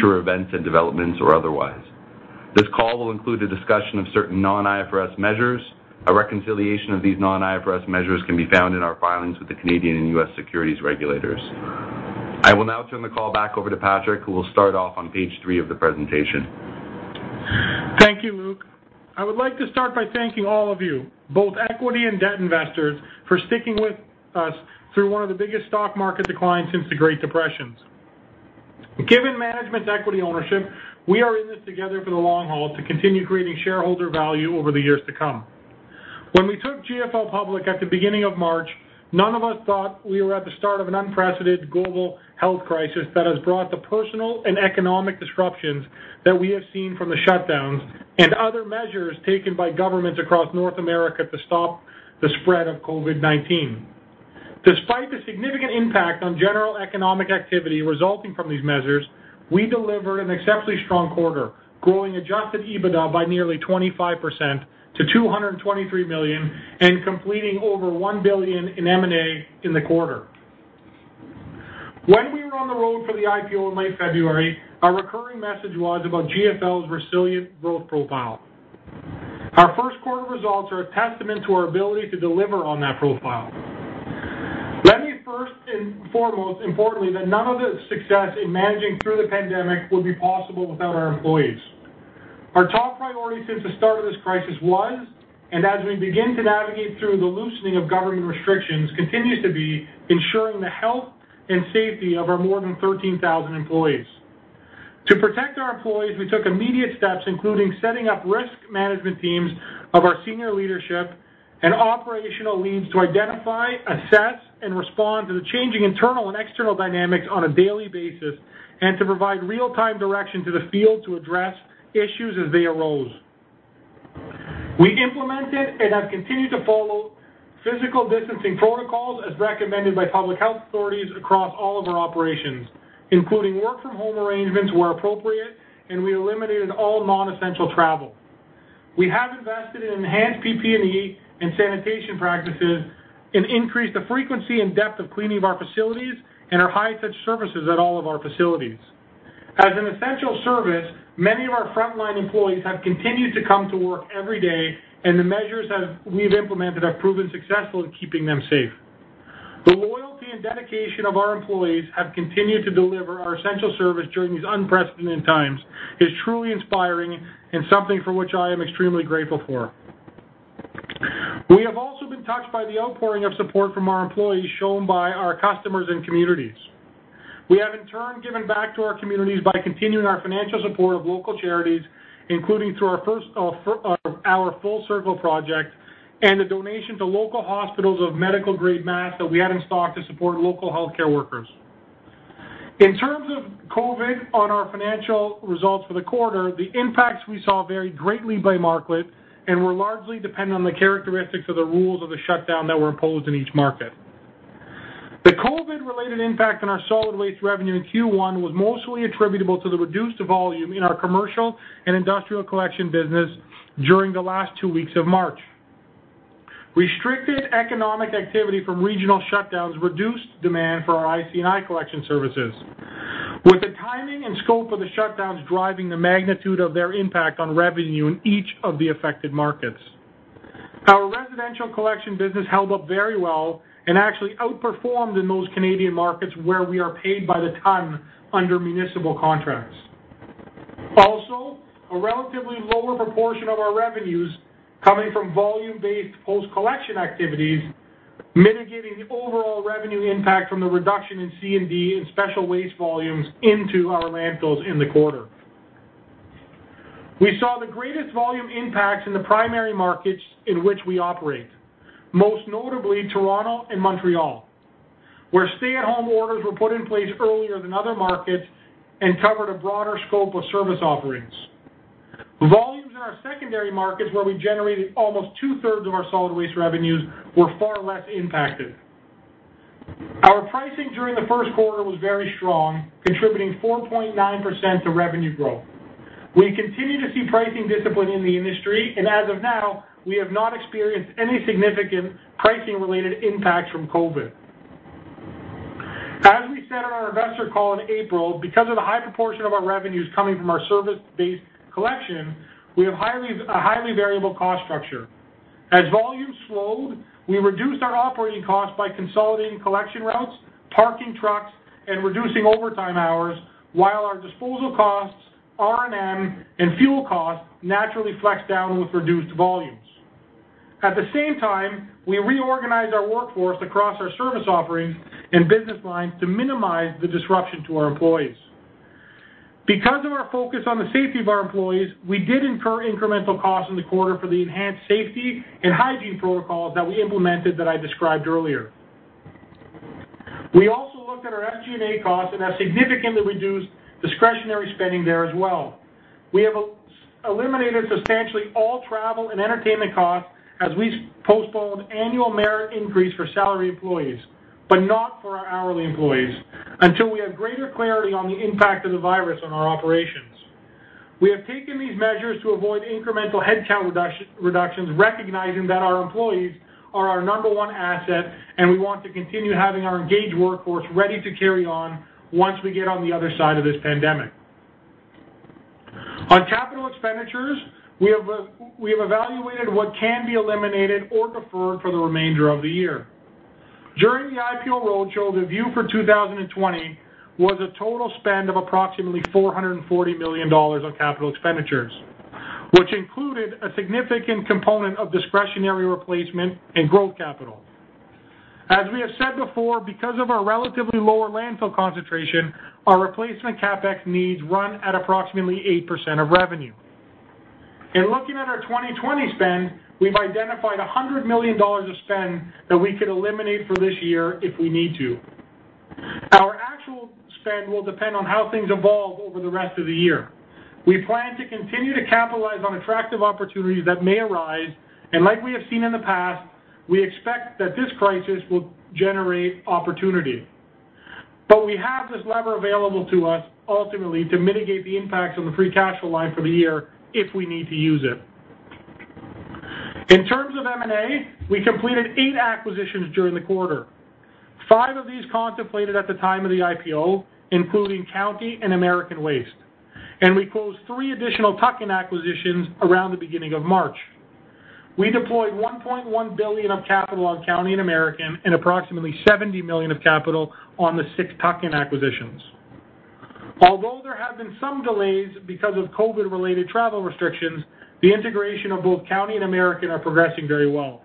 Future events and developments or otherwise. This call will include a discussion of certain non-IFRS measures. A reconciliation of these non-IFRS measures can be found in our filings with the Canadian and U.S. securities regulators. I will now turn the call back over to Patrick, who will start off on page three of the presentation. Thank you, Luke. I would like to start by thanking all of you, both equity and debt investors, for sticking with us through one of the biggest stock market declines since the Great Depression. Given management's equity ownership, we are in this together for the long haul to continue creating shareholder value over the years to come. When we took GFL public at the beginning of March, none of us thought we were at the start of an unprecedented global health crisis that has brought the personal and economic disruptions that we have seen from the shutdowns and other measures taken by governments across North America to stop the spread of COVID-19. Despite the significant impact on general economic activity resulting from these measures, we delivered an exceptionally strong quarter, growing Adjusted EBITDA by nearly 25% to 223 million and completing over 1 billion in M&A in the quarter. When we were on the road for the IPO in late February, our recurring message was about GFL's resilient growth profile. Our Q1 results are a testament to our ability to deliver on that profile. Let me first and foremost importantly that none of the success in managing through the pandemic would be possible without our employees. Our top priority since the start of this crisis was, and as we begin to navigate through the loosening of government restrictions, continues to be ensuring the health and safety of our more than 13,000 employees. To protect our employees, we took immediate steps, including setting up risk management teams of our senior leadership and operational leads to identify, assess, and respond to the changing internal and external dynamics on a daily basis and to provide real-time direction to the field to address issues as they arose. We implemented and have continued to follow physical distancing protocols as recommended by public health authorities across all of our operations, including work-from-home arrangements where appropriate. We eliminated all non-essential travel. We have invested in enhanced PPE and sanitation practices and increased the frequency and depth of cleaning of our facilities and our high-touch services at all of our facilities. As an essential service, many of our frontline employees have continued to come to work every day. The measures we've implemented have proven successful in keeping them safe. The loyalty and dedication of our employees have continued to deliver our essential service during these unprecedented times is truly inspiring and something for which I am extremely grateful for. We have also been touched by the outpouring of support from our employees shown by our customers and communities. We have, in turn, given back to our communities by continuing our financial support of local charities, including through our Full Circle Project and a donation to local hospitals of medical-grade masks that we had in stock to support local healthcare workers. In terms of COVID on our financial results for the quarter, the impacts we saw varied greatly by market and were largely dependent on the characteristics of the rules of the shutdown that were imposed in each market. The COVID-related impact on our solid waste revenue in Q1 was mostly attributable to the reduced volume in our commercial and industrial collection business during the last two weeks of March. Restricted economic activity from regional shutdowns reduced demand for our IC&I collection services, with the timing and scope of the shutdowns driving the magnitude of their impact on revenue in each of the affected markets. Our residential collection business held up very well and actually outperformed in those Canadian markets where we are paid by the ton under municipal contracts. Also, a relatively lower proportion of our revenues coming from volume-based post-collection activities, mitigating overall revenue impact from the reduction in C&D and special waste volumes into our landfills in the quarter. We saw the greatest volume impacts in the primary markets in which we operate, most notably Toronto and Montreal, where stay-at-home orders were put in place earlier than other markets and covered a broader scope of service offerings. Volumes in our secondary markets, where we generated almost 2/3 of our solid waste revenues, were far less impacted. Our pricing during the Q1 was very strong, contributing 4.9% to revenue growth. We continue to see pricing discipline in the industry, and as of now, we have not experienced any significant pricing-related impacts from COVID. As we said on our investor call in April, because of the high proportion of our revenues coming from our service-based collection, we have a highly variable cost structure. As volumes slowed, we reduced our operating costs by consolidating collection routes, parking trucks, and reducing overtime hours, while our disposal costs, R&M, and fuel costs naturally flexed down with reduced volumes. At the same time, we reorganized our workforce across our service offerings and business lines to minimize the disruption to our employees. Because of our focus on the safety of our employees, we did incur incremental costs in the quarter for the enhanced safety and hygiene protocols that we implemented that I described earlier. We also looked at our SG&A costs and have significantly reduced discretionary spending there as well. We have eliminated substantially all travel and entertainment costs as we postponed annual merit increase for salary employees, but not for our hourly employees, until we have greater clarity on the impact of the virus on our operations. We have taken these measures to avoid incremental headcount reductions, recognizing that our employees are our number one asset, and we want to continue having our engaged workforce ready to carry on once we get on the other side of this pandemic. On capital expenditures, we have evaluated what can be eliminated or deferred for the remainder of the year. During the IPO roadshow, the view for 2020 was a total spend of approximately 440 million dollars on capital expenditures, which included a significant component of discretionary replacement and growth capital. As we have said before, because of our relatively lower landfill concentration, our replacement CapEx needs run at approximately 8% of revenue. In looking at our 2020 spend, we've identified 100 million dollars of spend that we could eliminate for this year if we need to. Our actual spend will depend on how things evolve over the rest of the year. We plan to continue to capitalize on attractive opportunities that may arise, and like we have seen in the past, we expect that this crisis will generate opportunity. We have this lever available to us ultimately to mitigate the impacts on the free cash flow line for the year if we need to use it. In terms of M&A, we completed eight acquisitions during the quarter. Five of these contemplated at the time of the IPO, including County and American Waste. We closed three additional tuck-in acquisitions around the beginning of March. We deployed 1.1 billion of capital on County and American, and approximately 70 million of capital on the six tuck-in acquisitions. Although there have been some delays because of COVID-related travel restrictions, the integration of both County and American are progressing very well.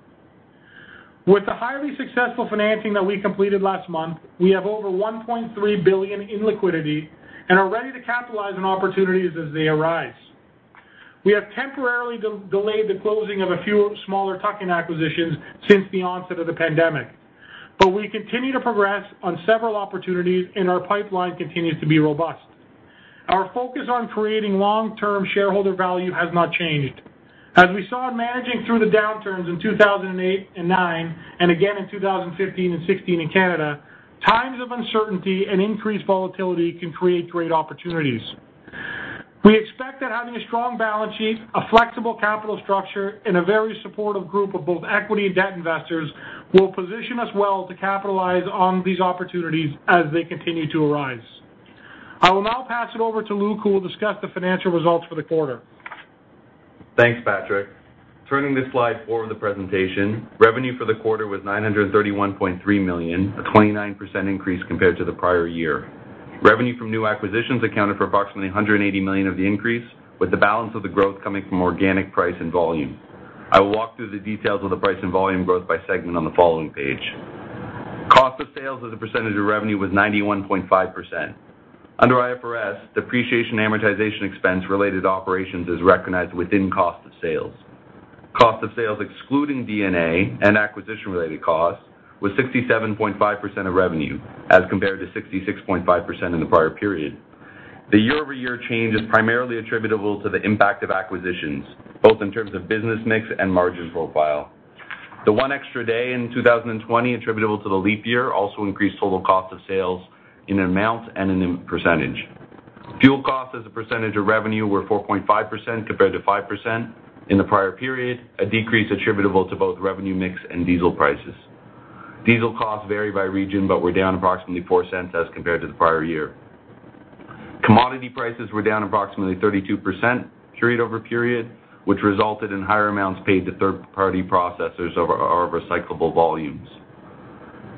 With the highly successful financing that we completed last month, we have over 1.3 billion in liquidity and are ready to capitalize on opportunities as they arise. We have temporarily delayed the closing of a few smaller tuck-in acquisitions since the onset of the pandemic. We continue to progress on several opportunities. Our pipeline continues to be robust. Our focus on creating long-term shareholder value has not changed. As we saw in managing through the downturns in 2008 and 2009, and again in 2015 and 2016 in Canada, times of uncertainty and increased volatility can create great opportunities. We expect that having a strong balance sheet, a flexible capital structure, and a very supportive group of both equity and debt investors will position us well to capitalize on these opportunities as they continue to arise. I will now pass it over to Luke, who will discuss the financial results for the quarter. Thanks, Patrick. Turning to slide four of the presentation, revenue for the quarter was 931.3 million, a 29% increase compared to the prior year. Revenue from new acquisitions accounted for approximately 180 million of the increase, with the balance of the growth coming from organic price and volume. I will walk through the details of the price and volume growth by segment on the following page. Cost of sales as a percentage of revenue was 91.5%. Under IFRS, depreciation and amortization expense related to operations is recognized within cost of sales. Cost of sales excluding D&A and acquisition-related costs was 67.5% of revenue as compared to 66.5% in the prior period. The year-over-year change is primarily attributable to the impact of acquisitions, both in terms of business mix and margin profile. The one extra day in 2020 attributable to the leap year also increased total cost of sales in amount and in percentage. Fuel costs as a percentage of revenue were 4.5% compared to 5% in the prior period, a decrease attributable to both revenue mix and diesel prices. Diesel costs vary by region but were down approximately 0.04 as compared to the prior year. Commodity prices were down approximately 32% period-over-period, which resulted in higher amounts paid to third-party processors of our recyclable volumes.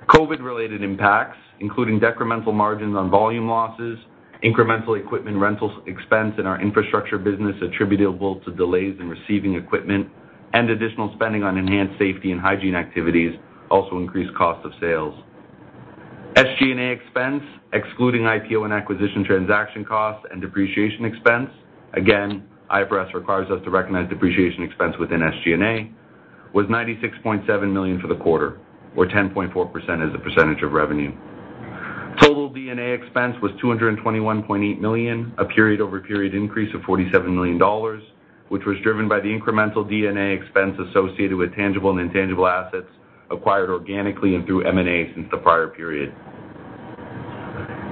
COVID-related impacts, including decremental margins on volume losses, incremental equipment rental expense in our infrastructure business attributable to delays in receiving equipment, and additional spending on enhanced safety and hygiene activities also increased cost of sales. SG&A expense, excluding IPO and acquisition transaction costs and depreciation expense, again, IFRS requires us to recognize depreciation expense within SG&A, was 96.7 million for the quarter or 10.4% as a percentage of revenue. Total D&A expense was 221.8 million, a period-over-period increase of 47 million dollars, which was driven by the incremental D&A expense associated with tangible and intangible assets acquired organically and through M&A since the prior period.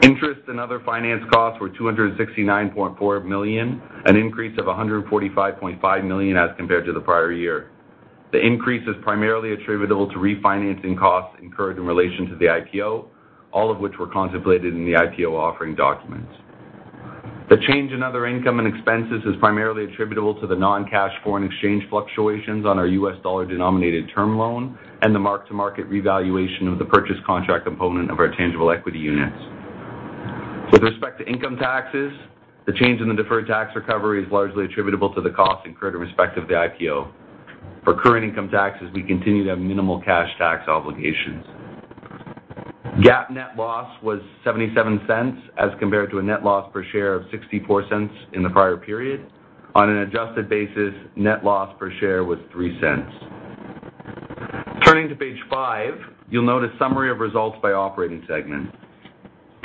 Interest and other finance costs were 269.4 million, an increase of 145.5 million as compared to the prior year. The increase is primarily attributable to refinancing costs incurred in relation to the IPO, all of which were contemplated in the IPO offering documents. The change in other income and expenses is primarily attributable to the non-cash foreign exchange fluctuations on our U.S. dollar-denominated term loan and the mark-to-market revaluation of the purchase contract component of our tangible equity units. With respect to income taxes, the change in the deferred tax recovery is largely attributable to the costs incurred in respect of the IPO. For current income taxes, we continue to have minimal cash tax obligations. GAAP net loss was 0.77 as compared to a net loss per share of 0.64 in the prior period. On an adjusted basis, net loss per share was 0.03. Turning to page five, you'll note a summary of results by operating segment.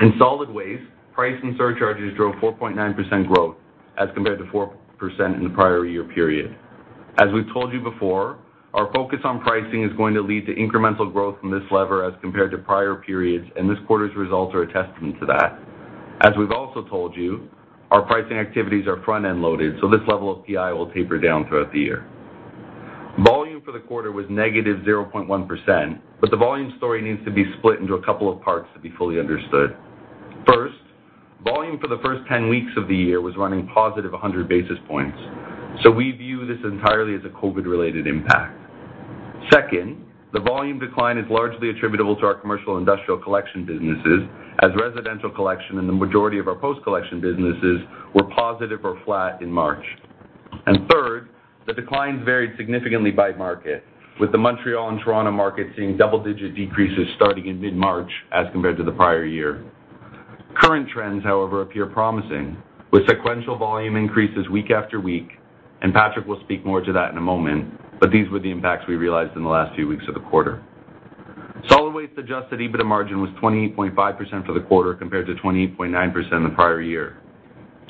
In solid waste, price and surcharges drove 4.9% growth as compared to 4% in the prior year period. As we've told you before, our focus on pricing is going to lead to incremental growth from this lever as compared to prior periods, and this quarter's results are a testament to that. As we've also told you, our pricing activities are front-end loaded, so this level of PI will taper down throughout the year. Volume for the quarter was -0.1%. The volume story needs to be split into a couple of parts to be fully understood. First, volume for the first 10 weeks of the year was running +100 basis points. We view this entirely as a COVID-19-related impact. Second, the volume decline is largely attributable to our commercial industrial collection businesses, as residential collection and the majority of our post-collection businesses were positive or flat in March. Third, the declines varied significantly by market, with the Montreal and Toronto market seeing double-digit decreases starting in mid-March as compared to the prior year. Current trends, however, appear promising, with sequential volume increases week after week. Patrick will speak more to that in a moment. These were the impacts we realized in the last few weeks of the quarter. Solid Waste Adjusted EBITDA margin was 28.5% for the quarter, compared to 28.9% the prior year.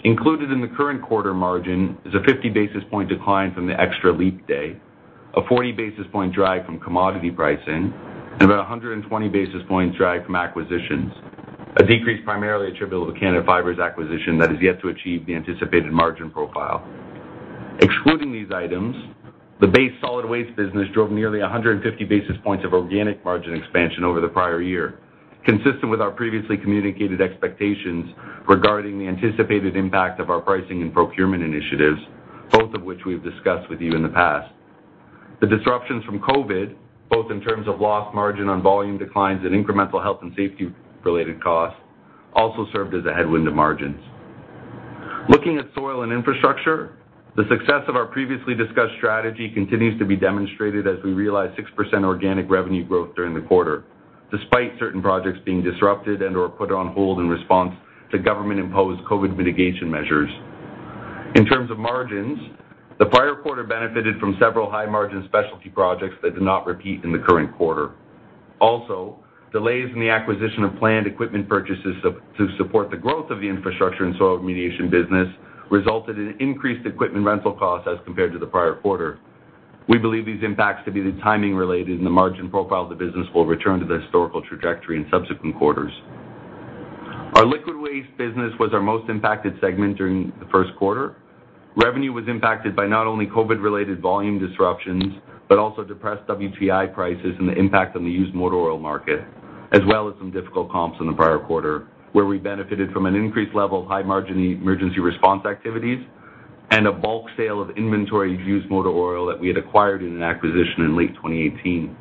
Included in the current quarter margin is a 50 basis point decline from the extra leap day, a 40 basis point drag from commodity pricing, and about 120 basis points drive from acquisitions, a decrease primarily attributable to Canada Fibers acquisition that is yet to achieve the anticipated margin profile. Excluding these items, the base Solid Waste business drove nearly 150 basis points of organic margin expansion over the prior year, consistent with our previously communicated expectations regarding the anticipated impact of our pricing and procurement initiatives, both of which we've discussed with you in the past. The disruptions from COVID, both in terms of lost margin on volume declines and incremental health and safety-related costs, also served as a headwind to margins. Looking at Soil and Infrastructure, the success of our previously discussed strategy continues to be demonstrated as we realize 6% organic revenue growth during the quarter, despite certain projects being disrupted and/or put on hold in response to government-imposed COVID-19 mitigation measures. In terms of margins, the prior quarter benefited from several high-margin specialty projects that did not repeat in the current quarter. Also, delays in the acquisition of planned equipment purchases to support the growth of the infrastructure and soil remediation business resulted in increased equipment rental costs as compared to the prior quarter. We believe these impacts to be timing related, and the margin profile of the business will return to the historical trajectory in subsequent quarters. Our Liquid Waste business was our most impacted segment during the Q1. Revenue was impacted by not only COVID-related volume disruptions, but also depressed WTI prices and the impact on the used motor oil market, as well as some difficult comps in the prior quarter, where we benefited from an increased level of high-margin emergency response activities and a bulk sale of inventory of used motor oil that we had acquired in an acquisition in late 2018.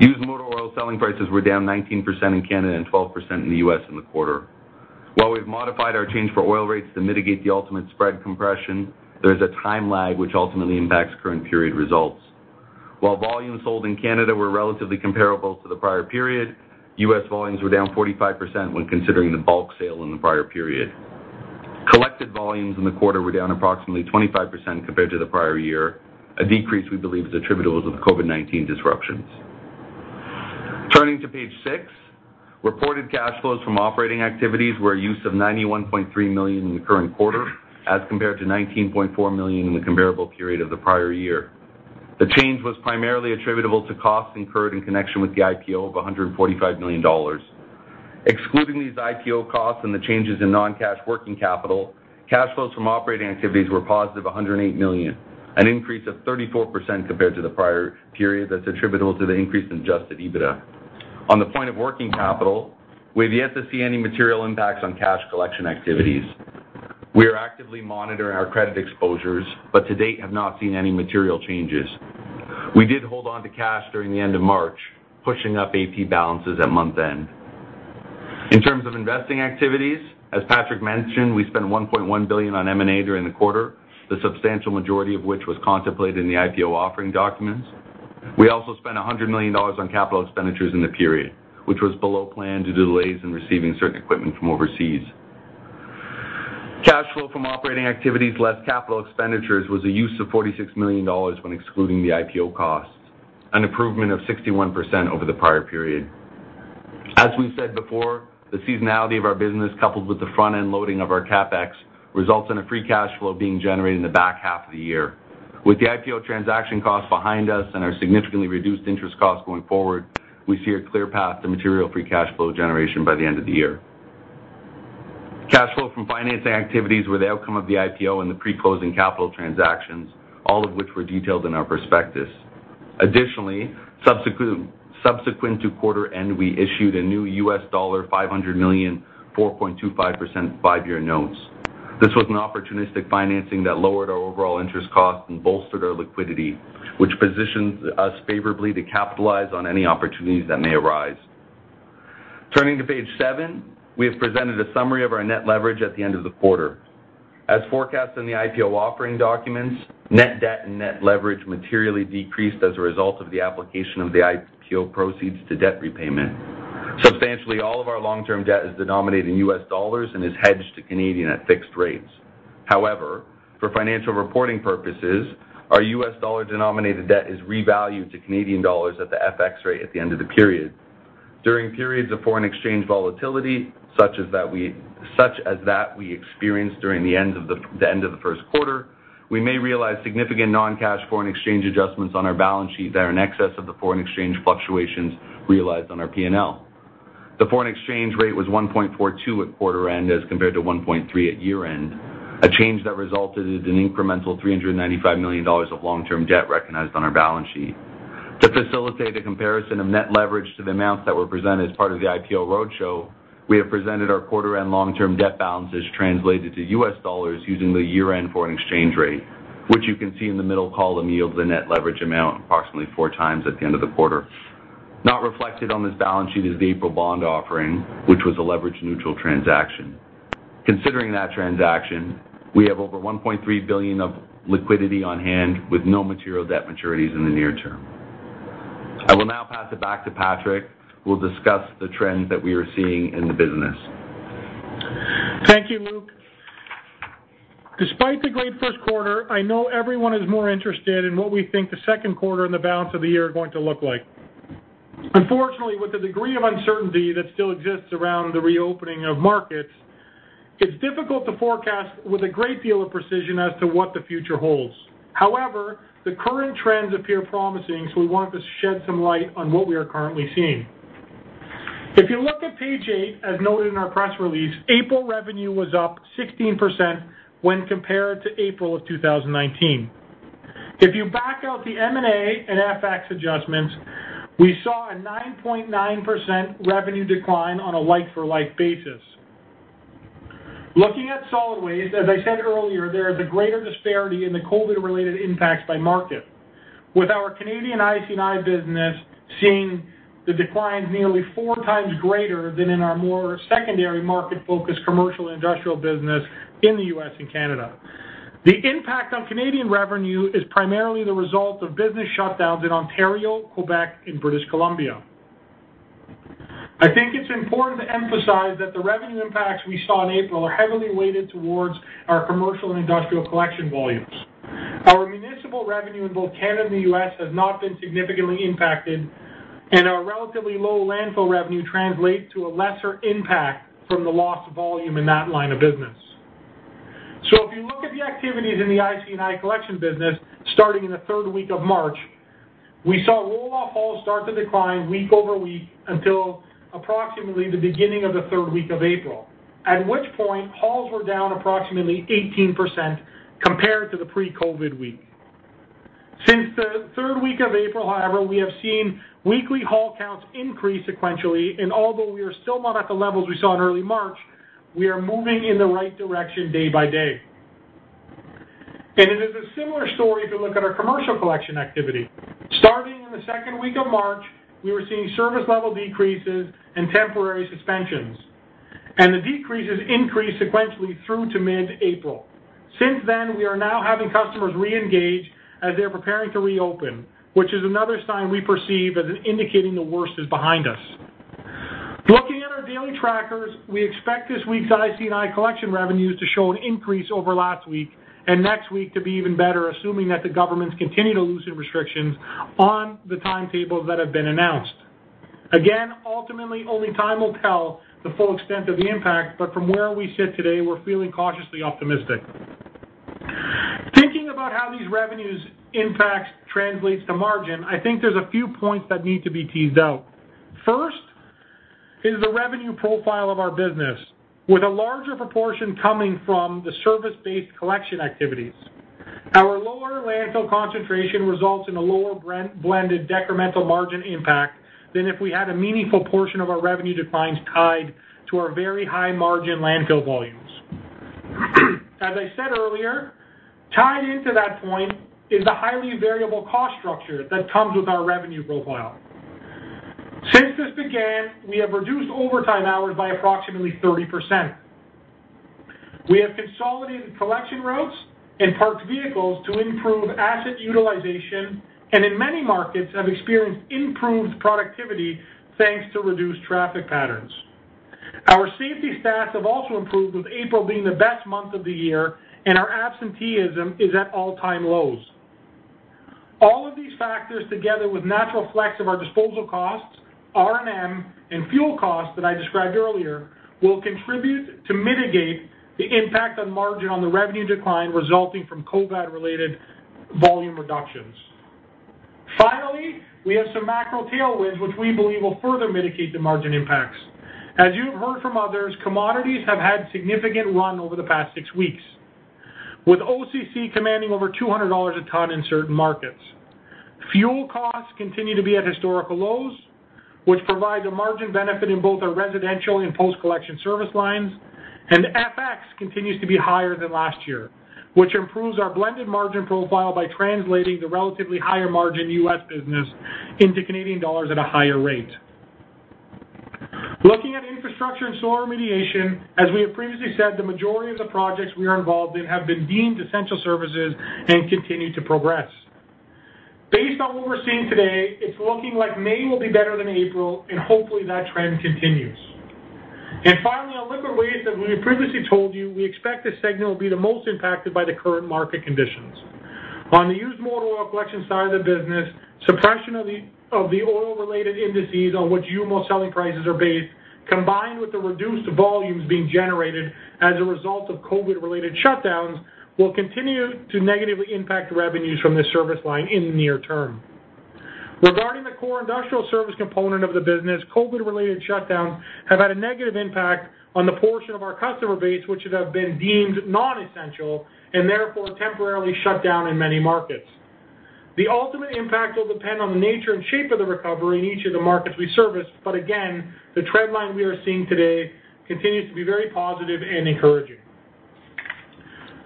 Used motor oil selling prices were down 19% in Canada and 12% in the U.S. in the quarter. While we've modified our charge for oil rates to mitigate the ultimate spread compression, there is a time lag which ultimately impacts current period results. While volumes sold in Canada were relatively comparable to the prior period, U.S. volumes were down 45% when considering the bulk sale in the prior period. Collected volumes in the quarter were down approximately 25% compared to the prior year, a decrease we believe is attributable to the COVID-19 disruptions. Turning to page six, reported cash flows from operating activities were a use of 91.3 million in the current quarter as compared to 19.4 million in the comparable period of the prior year. The change was primarily attributable to costs incurred in connection with the IPO of 145 million dollars. Excluding these IPO costs and the changes in non-cash working capital, cash flows from operating activities were a positive 108 million, an increase of 34% compared to the prior period that's attributable to the increase in Adjusted EBITDA. On the point of working capital, we have yet to see any material impacts on cash collection activities. We are actively monitoring our credit exposures, to date have not seen any material changes. We did hold onto cash during the end of March, pushing up AP balances at month-end. In terms of investing activities, as Patrick mentioned, we spent 1.1 billion on M&A during the quarter, the substantial majority of which was contemplated in the IPO offering documents. We also spent 100 million dollars on capital expenditures in the period, which was below plan due to delays in receiving certain equipment from overseas. Cash flow from operating activities, less capital expenditures, was a use of 46 million dollars when excluding the IPO costs, an improvement of 61% over the prior period. As we've said before, the seasonality of our business, coupled with the front-end loading of our CapEx, results in a free cash flow being generated in the H2 of the year. With the IPO transaction costs behind us and our significantly reduced interest costs going forward, we see a clear path to material free cash flow generation by the end of the year. Cash flow from financing activities were the outcome of the IPO and the pre-closing capital transactions, all of which were detailed in our prospectus. Additionally, subsequent to quarter end, we issued a new U.S. dollar $500 million 4.25% five-year notes. This was an opportunistic financing that lowered our overall interest cost and bolstered our liquidity, which positions us favorably to capitalize on any opportunities that may arise. Turning to page seven, we have presented a summary of our net leverage at the end of the quarter. As forecast in the IPO offering documents, net debt and net leverage materially decreased as a result of the application of the IPO proceeds to debt repayment. Substantially all of our long-term debt is denominated in U.S. dollars and is hedged to CAD at fixed rates. However, for financial reporting purposes, our U.S. dollar-denominated debt is revalued to Canadian dollars at the FX rate at the end of the period. During periods of foreign exchange volatility, such as that we experienced during the end of Q1, we may realize significant non-cash foreign exchange adjustments on our balance sheet that are in excess of the foreign exchange fluctuations realized on our P&L. The foreign exchange rate was 1.42 at quarter end as compared to 1.3 at year-end, a change that resulted in an incremental 395 million dollars of long-term debt recognized on our balance sheet. To facilitate a comparison of net leverage to the amounts that were presented as part of the IPO roadshow, we have presented our quarter and long-term debt balances translated to U.S. dollars using the year-end foreign exchange rate, which you can see in the middle column yields a net leverage amount approximately four times at the end of the quarter. Not reflected on this balance sheet is the April bond offering, which was a leverage-neutral transaction. Considering that transaction, we have over 1.3 billion of liquidity on hand with no material debt maturities in the near term. I will now pass it back to Patrick, who will discuss the trends that we are seeing in the business. Thank you, Luke. Despite the great Q1, I know everyone is more interested in what we think the second quarter and the balance of the year are going to look like. Unfortunately, with the degree of uncertainty that still exists around the reopening of markets, it is difficult to forecast with a great deal of precision as to what the future holds. However, the current trends appear promising, so we wanted to shed some light on what we are currently seeing. If you look at page eight, as noted in our press release, April revenue was up 16% when compared to April of 2019. If you back out the M&A and FX adjustments, we saw a 9.9% revenue decline on a like-for-like basis. Looking at solid waste, as I said earlier, there is a greater disparity in the COVID-19-related impacts by market, with our Canadian IC&I business seeing the declines nearly 4x greater than in our more secondary market-focused commercial and industrial business in the U.S. and Canada. The impact on Canadian revenue is primarily the result of business shutdowns in Ontario, Quebec, and British Columbia. I think it's important to emphasize that the revenue impacts we saw in April are heavily weighted towards our commercial and industrial collection volumes. Our municipal revenue in both Canada and the U.S. has not been significantly impacted, and our relatively low landfill revenue translates to a lesser impact from the lost volume in that line of business. If you look at the activities in the IC&I collection business, starting in the third week of March, we saw roll-off hauls start to decline week over week until approximately the beginning of the third week of April, at which point hauls were down approximately 18% compared to the pre-COVID-19 week. Since the third week of April, however, we have seen weekly haul counts increase sequentially, and although we are still not at the levels we saw in early March, we are moving in the right direction day by day. It is a similar story if you look at our commercial collection activity. Starting in the second week of March, we were seeing service level decreases and temporary suspensions, and the decreases increased sequentially through to mid-April. Since then, we are now having customers reengage as they are preparing to reopen, which is another sign we perceive as indicating the worst is behind us. Looking at our daily trackers, we expect this week's IC&I collection revenues to show an increase over last week and next week to be even better, assuming that the governments continue to loosen restrictions on the timetables that have been announced. Ultimately, only time will tell the full extent of the impact, but from where we sit today, we're feeling cautiously optimistic. Thinking about how these revenues impact translates to margin, I think there's a few points that need to be teased out. First is the revenue profile of our business. With a larger proportion coming from the service-based collection activities, our lower landfill concentration results in a lower blended decremental margin impact than if we had a meaningful portion of our revenue declines tied to our very high-margin landfill volumes. As I said earlier, tied into that point is the highly variable cost structure that comes with our revenue profile. Since this began, we have reduced overtime hours by approximately 30%. We have consolidated collection routes and parked vehicles to improve asset utilization, and in many markets have experienced improved productivity thanks to reduced traffic patterns. Our safety stats have also improved, with April being the best month of the year, and our absenteeism is at all-time lows. All of these factors, together with natural flex of our disposal costs, R&M, and fuel costs that I described earlier, will contribute to mitigate the impact on margin on the revenue decline resulting from COVID-19-related volume reductions. Finally, we have some macro tailwinds which we believe will further mitigate the margin impacts. As you have heard from others, commodities have had significant run over the past six weeks, with OCC commanding over 200 dollars a ton in certain markets. Fuel costs continue to be at historical lows, which provides a margin benefit in both our residential and post-collection service lines. FX continues to be higher than last year, which improves our blended margin profile by translating the relatively higher margin U.S. business into Canadian dollars at a higher rate. Looking at infrastructure and soil remediation, as we have previously said, the majority of the projects we are involved in have been deemed essential services and continue to progress. Based on what we're seeing today, it's looking like May will be better than April, hopefully that trend continues. Finally, on liquid waste that we previously told you, we expect this segment will be the most impacted by the current market conditions. On the used motor oil collection side of the business, suppression of the oil-related indices on which used motor oil selling prices are based, combined with the reduced volumes being generated as a result of COVID-related shutdowns, will continue to negatively impact revenues from this service line in the near term. Regarding the core industrial service component of the business, COVID-19-related shutdowns have had a negative impact on the portion of our customer base which would have been deemed non-essential, and therefore temporarily shut down in many markets. The ultimate impact will depend on the nature and shape of the recovery in each of the markets we service, but again, the trend line we are seeing today continues to be very positive and encouraging.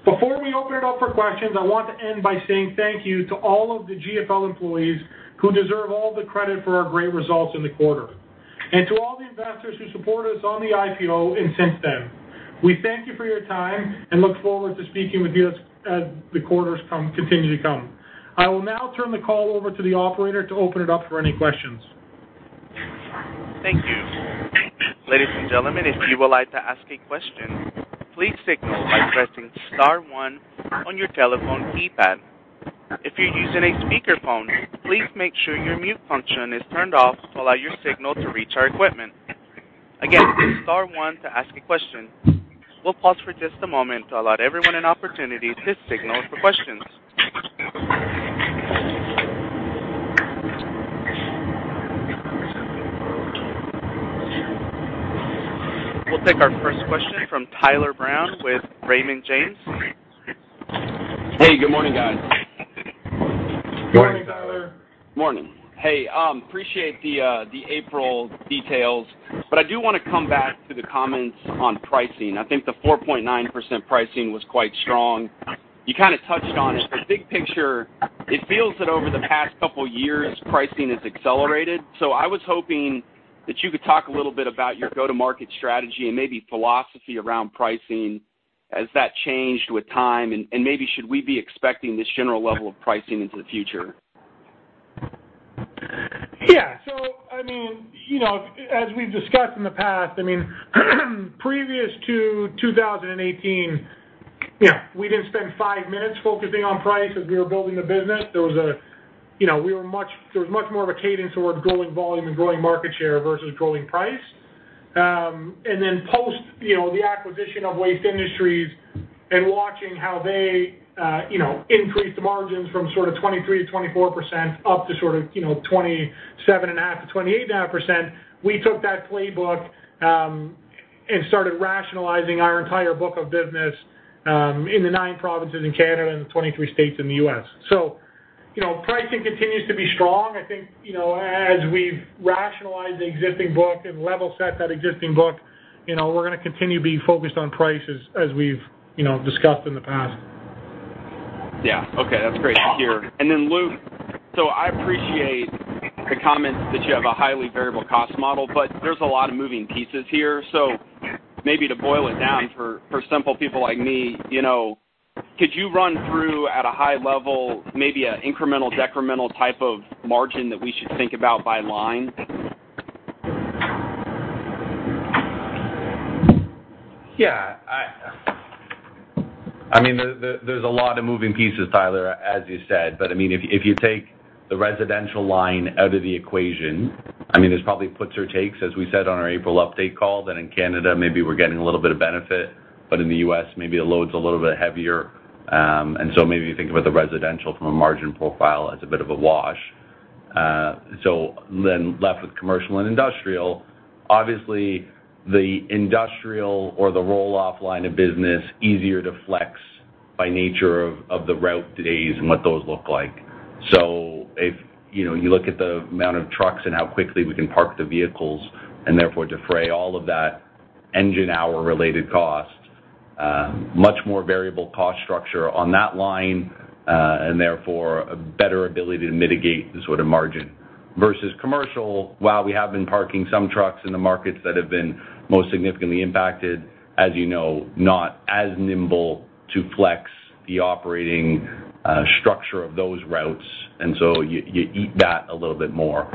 Before we open it up for questions, I want to end by saying thank you to all of the GFL employees who deserve all the credit for our great results in the quarter. To all the investors who supported us on the IPO and since then. We thank you for your time and look forward to speaking with you as the quarters continue to come. I will now turn the call over to the operator to open it up for any questions. Thank you. Ladies and gentlemen, if you would like to ask a question, please signal by pressing star one on your telephone keypad. If you're using a speakerphone, please make sure your mute function is turned off to allow your signal to reach our equipment. Again, hit star one to ask a question. We'll pause for just a moment to allow everyone an opportunity to signal for questions. We'll take our first question from Tyler Brown with Raymond James. Hey, good morning, guys. Good morning, Tyler. Morning. Hey, appreciate the April details. I do want to come back to the comments on pricing. I think the 4.9% pricing was quite strong. You kind of touched on it, big picture, it feels that over the past couple years, pricing has accelerated. I was hoping that you could talk a little bit about your go-to-market strategy and maybe philosophy around pricing. Has that changed with time? Maybe should we be expecting this general level of pricing into the future? As we've discussed in the past, previous to 2018, we didn't spend five minutes focusing on price as we were building the business. There was much more of a cadence toward growing volume and growing market share versus growing price. Post the acquisition of Waste Industries and watching how they increased the margins from sort of 23% to 24% up to sort of, 27.5% to 28.5%, we took that playbook, and started rationalizing our entire book of business, in the nine provinces in Canada and the 23 states in the U.S. Pricing continues to be strong. I think, as we've rationalized the existing book and level set that existing book, we're going to continue being focused on prices as we've discussed in the past. Yeah. Okay. That's great. Thank you. Luke, I appreciate the comments that you have a highly variable cost model, but there's a lot of moving pieces here. Maybe to boil it down for simple people like me, could you run through at a high level, maybe an incremental/decremental type of margin that we should think about by line? Yeah. There's a lot of moving pieces, Tyler, as you said. If you take the residential line out of the equation, there's probably puts or takes, as we said on our April update call. In Canada maybe we're getting a little bit of benefit. In the U.S. maybe the load's a little bit heavier. Maybe you think about the residential from a margin profile as a bit of a wash. Left with commercial and industrial, obviously, the industrial or the roll-off line of business, easier to flex by nature of the route days and what those look like. If you look at the amount of trucks and how quickly we can park the vehicles, and therefore defray all of that engine hour related cost, much more variable cost structure on that line, and therefore a better ability to mitigate the sort of margin. Versus commercial, while we have been parking some trucks in the markets that have been most significantly impacted, as you know, not as nimble to flex the operating structure of those routes. You eat that a little bit more.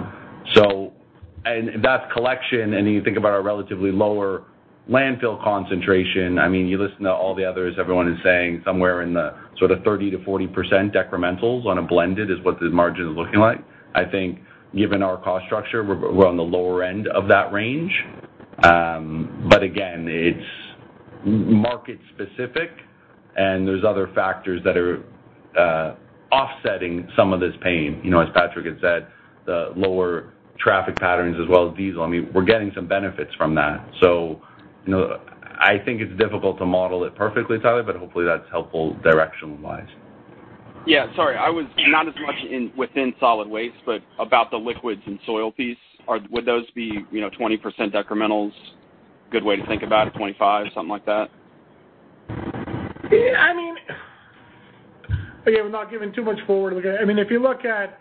And that's collection, and then you think about our relatively lower landfill concentration. You listen to all the others, everyone is saying somewhere in the sort of 30%-40% decrementals on a blended is what the margin is looking like. I think given our cost structure, we're on the lower end of that range. Again, it's market specific and there's other factors that are offsetting some of this pain. As Patrick had said, the lower traffic patterns as well as diesel, we're getting some benefits from that. I think it's difficult to model it perfectly, Tyler, but hopefully that's helpful direction-wise. Yeah. Sorry. I was not as much within solid waste, but about the liquids and soil piece. Would those be 20% decrementals, good way to think about it, 25%, something like that? Again, I'm not giving too much forward. If you look at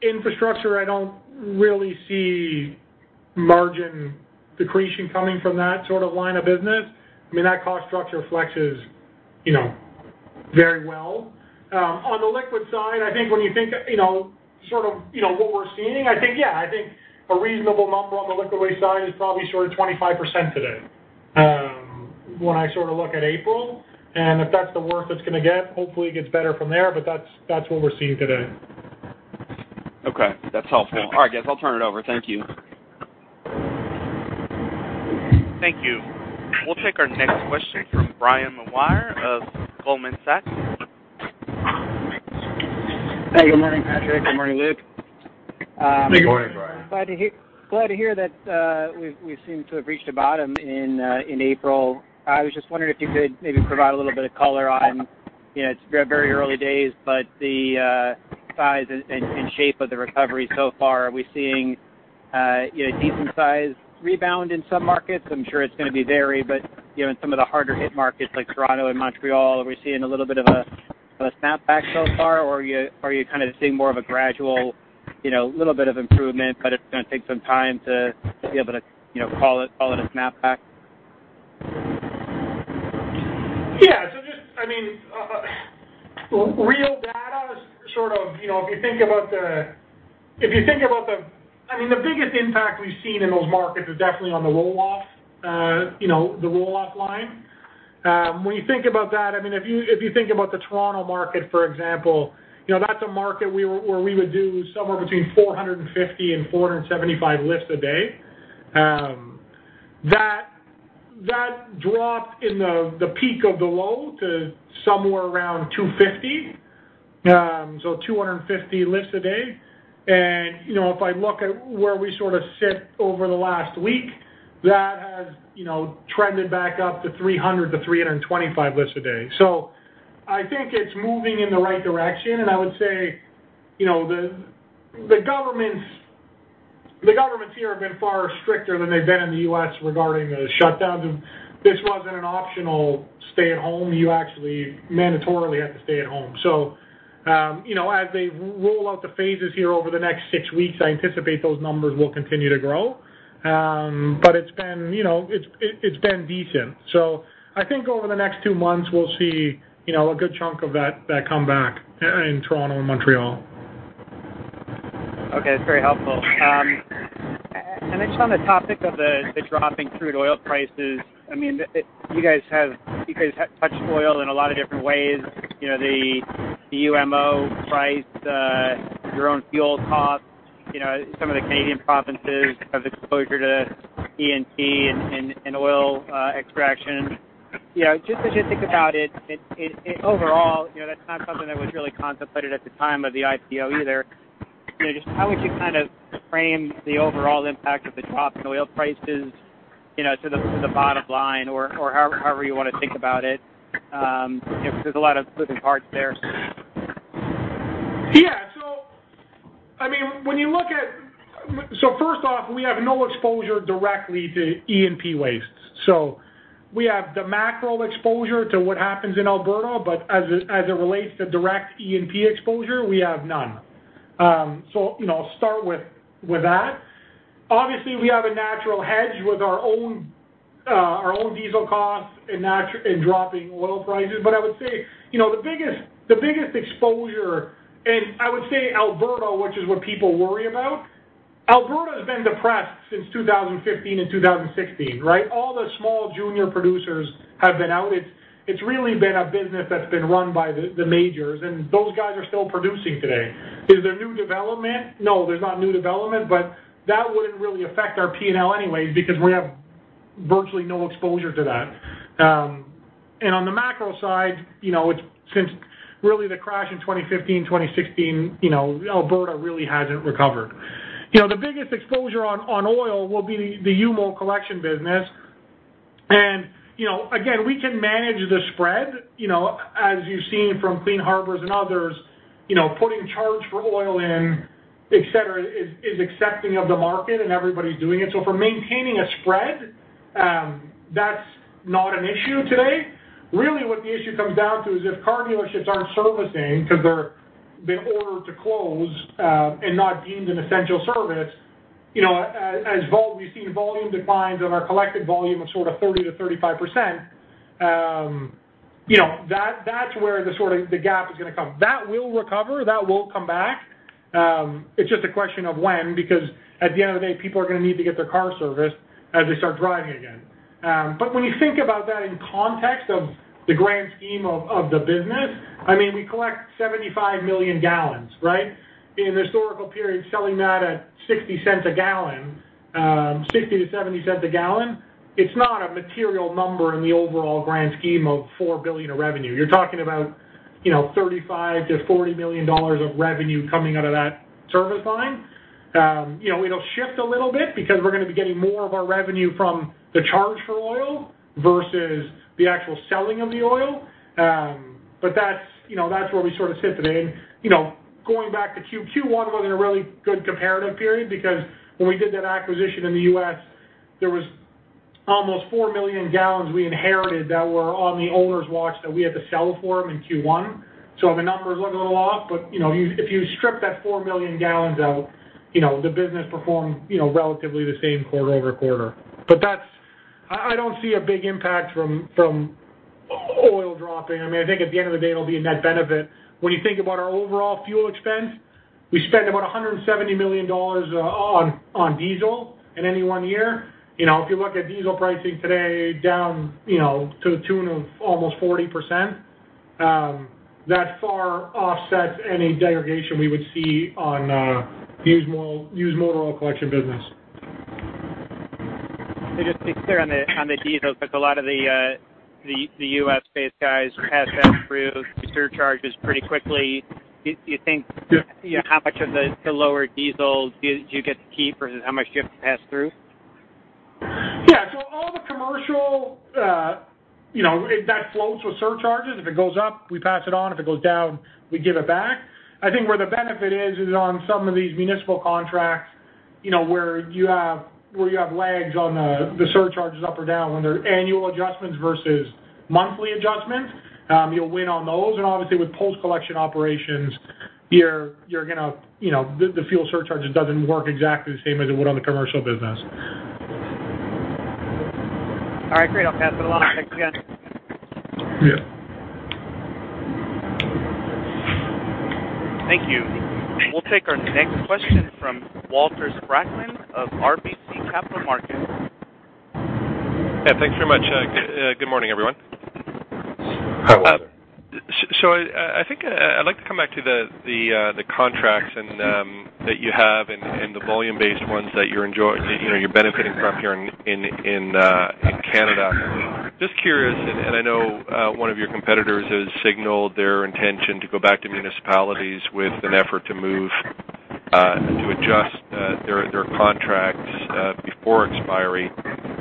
infrastructure, I don't really see margin decreasing coming from that sort of line of business. That cost structure flexes very well. On the liquid side, I think when you think of what we're seeing, I think, yeah, a reasonable number on the liquid waste side is probably 25% today. When I look at April, and if that's the worst it's going to get, hopefully it gets better from there, but that's what we're seeing today. Okay. That's helpful. All right, guys, I'll turn it over. Thank you. Thank you. We'll take our next question from Brian Maguire of Goldman Sachs. Hey. Good morning, Patrick. Good morning, Luke. Good morning, Brian. Glad to hear that we seem to have reached a bottom in April. I was just wondering if you could maybe provide a little bit of color on, it's very early days, but the size and shape of the recovery so far. Are we seeing a decent size rebound in some markets? I'm sure it's going to be varied, but in some of the harder hit markets like Toronto and Montreal, are we seeing a little bit of a snapback so far or are you seeing more of a gradual little bit of improvement, but it's going to take some time to be able to call it a snapback? Yeah. The biggest impact we've seen in those markets is definitely on the roll-off line. When you think about that, if you think about the Toronto market, for example, that's a market where we would do somewhere between 450 and 475 lifts a day. That dropped in the peak of the low to somewhere around 250, so 250 lifts a day. If I look at where we sit over the last week, that has trended back up to 300-325 lifts a day. I think it's moving in the right direction, and I would say the governments here have been far stricter than they've been in the U.S. regarding the shutdown. This wasn't an optional stay at home. You actually mandatorily had to stay at home. As they roll out the phases here over the next six weeks, I anticipate those numbers will continue to grow. It's been decent. I think over the next two months, we'll see a good chunk of that come back in Toronto and Montreal. Okay. That's very helpful. On the topic of the dropping crude oil prices, you guys touch oil in a lot of different ways. The UMO price, your own fuel costs, some of the Canadian provinces have exposure to E&P and oil extraction. As you think about it, overall, that's not something that was really contemplated at the time of the IPO either. How would you frame the overall impact of the drop in oil prices to the bottom line or however you want to think about it? There's a lot of moving parts there. Yeah. First off, we have no exposure directly to E&P waste. We have the macro exposure to what happens in Alberta, but as it relates to direct E&P exposure, we have none. Obviously, we have a natural hedge with our own diesel costs in dropping oil prices. I would say the biggest exposure, and I would say Alberta, which is what people worry about, Alberta's been depressed since 2015 and 2016, right? All the small junior producers have been out. It's really been a business that's been run by the majors, and those guys are still producing today. Is there new development? No, there's not new development, but that wouldn't really affect our P&L anyways because we have virtually no exposure to that. On the macro side, since really the crash in 2015, 2016, Alberta really hasn't recovered. The biggest exposure on oil will be the UMO collection business. Again, we can manage the spread, as you've seen from Clean Harbors and others, putting charge for oil in, et cetera, is accepting of the market and everybody's doing it. For maintaining a spread, that's not an issue today. Really what the issue comes down to is if car dealerships aren't servicing because they're ordered to close and not deemed an essential service, as we've seen volume declines on our collected volume of 30%-35%, that's where the gap is going to come. That will recover. That will come back. It's just a question of when, because at the end of the day, people are going to need to get their car serviced as they start driving again. When you think about that in context of the grand scheme of the business, we collect 75 million gallons, right? In historical periods, selling that at 0.60 a gallon, 0.60-0.70 a gallon, it's not a material number in the overall grand scheme of 4 billion of revenue. You're talking about 35 million-40 million dollars of revenue coming out of that service line. It'll shift a little bit because we're going to be getting more of our revenue from the charge for oil versus the actual selling of the oil. That's where we sit today. Going back to Q1 wasn't a really good comparative period because when we did that acquisition in the U.S., there was almost 4 million gallons we inherited that were on the owner's watch that we had to sell for them in Q1. The numbers look a little off, but if you strip that 4 million gallons out, the business performed relatively the same quarter-over-quarter. That's I don't see a big impact from oil dropping. I think at the end of the day, it'll be a net benefit. When you think about our overall fuel expense, we spend about 170 million dollars on diesel in any one year. If you look at diesel pricing today, down to the tune of almost 40%, that far offsets any degradation we would see on the used motor oil collection business. Just to be clear on the diesel, because a lot of the U.S.-based guys pass that through surcharges pretty quickly. Yeah. How much of the lower diesel do you get to keep, versus how much do you have to pass through? All the commercial, that floats with surcharges. If it goes up, we pass it on. If it goes down, we give it back. I think where the benefit is is on some of these municipal contracts, where you have lags on the surcharges up or down when there are annual adjustments versus monthly adjustments. You'll win on those. Obviously, with post collection operations, the fuel surcharge just doesn't work exactly the same as it would on the commercial business. All right, great. I'll pass it along. Thanks again. Yeah. Thank you. We'll take our next question from Walter Spracklin of RBC Capital Markets. Yeah, thanks very much. Good morning, everyone. Hi, Walter. I think I'd like to come back to the contracts that you have and the volume-based ones that you're benefiting from here in Canada. Just curious, I know one of your competitors has signaled their intention to go back to municipalities with an effort to move to adjust their contracts before expiry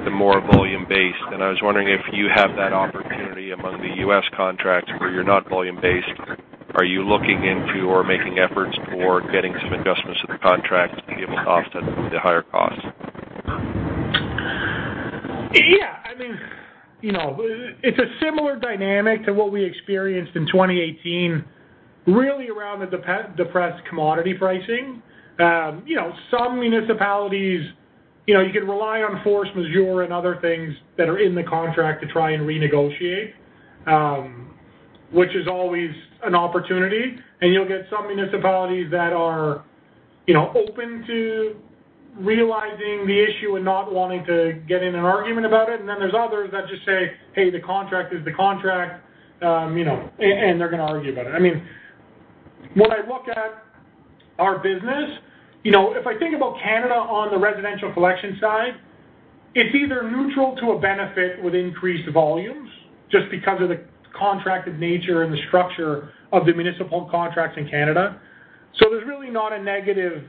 to more volume-based. I was wondering if you have that opportunity among the U.S. contracts where you're not volume-based. Are you looking into or making efforts toward getting some adjustments to the contract to give offset the higher costs? It's a similar dynamic to what we experienced in 2018, really around the depressed commodity pricing. Some municipalities, you could rely on force majeure and other things that are in the contract to try and renegotiate, which is always an opportunity. You'll get some municipalities that are open to realizing the issue and not wanting to get in an argument about it. There's others that just say, "Hey, the contract is the contract," and they're going to argue about it. When I look at our business, if I think about Canada on the residential collection side, it's either neutral to a benefit with increased volumes just because of the contracted nature and the structure of the municipal contracts in Canada. There's really not a negative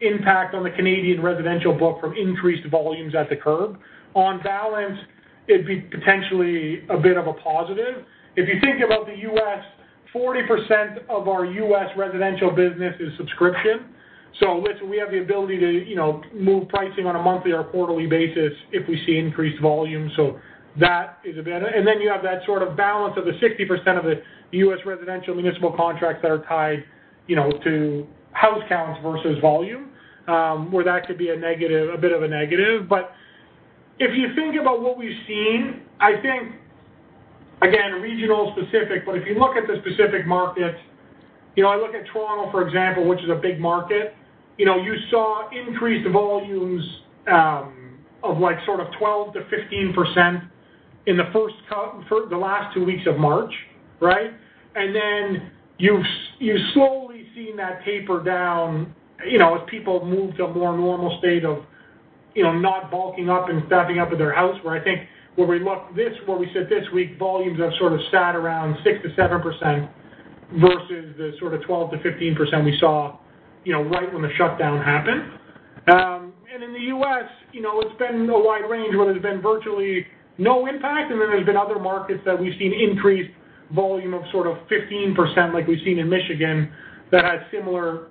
impact on the Canadian residential book from increased volumes at the curb. On balance, it'd be potentially a bit of a positive. If you think about the U.S., 40% of our U.S. residential business is subscription. We have the ability to move pricing on a monthly or quarterly basis if we see increased volume. That is a benefit. You have that sort of balance of the 60% of the U.S. residential municipal contracts that are tied to house counts versus volume, where that could be a bit of a negative. If you think about what we've seen, I think, again, regional specific, but if you look at the specific markets, I look at Toronto, for example, which is a big market. You saw increased volumes of sort of 12%-15% in the last two weeks of March. You've slowly seen that taper down as people have moved to a more normal state of not bulking up and staffing up at their house, where I think where we said this week, volumes have sort of sat around 6%-7% versus the sort of 12%-15% we saw right when the shutdown happened. In the U.S., it's been a wide range, where there's been virtually no impact, and then there's been other markets that we've seen increased volume of sort of 15%, like we've seen in Michigan, that had similar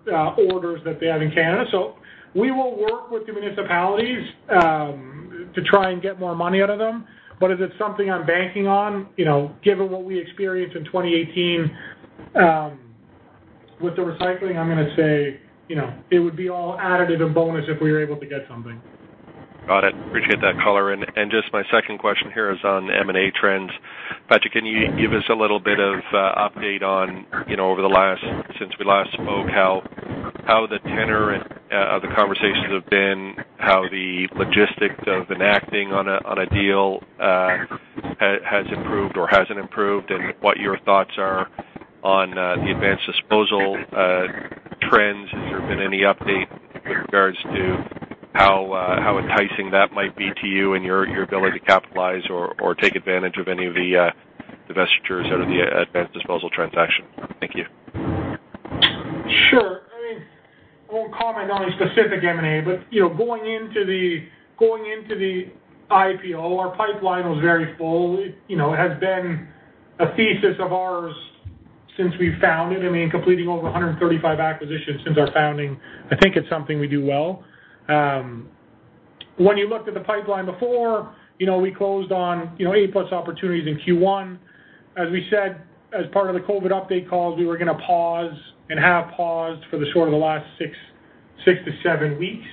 orders that they had in Canada. We will work with the municipalities to try and get more money out of them. Is it something I'm banking on? Given what we experienced in 2018 with the recycling, I'm going to say it would be all additive and bonus if we were able to get something. Got it. Appreciate that color. Just my second question here is on M&A trends. Patrick, can you give us a little bit of update on, since we last spoke, how the tenor of the conversations have been, how the logistics of enacting on a deal has improved or hasn't improved, and what your thoughts are on the Advanced Disposal trends? Has there been any update with regards to how enticing that might be to you and your ability to capitalize or take advantage of any of the divestitures out of the Advanced Disposal transaction? Thank you. Sure. I won't comment on any specific M&A, but going into the IPO, our pipeline was very full. It has been a thesis of ours since we founded. Completing over 135 acquisitions since our founding, I think it's something we do well. When you looked at the pipeline before, we closed on 8+ opportunities in Q1. As we said, as part of the COVID-19 update calls, we were going to pause and have paused for the last six to seven weeks.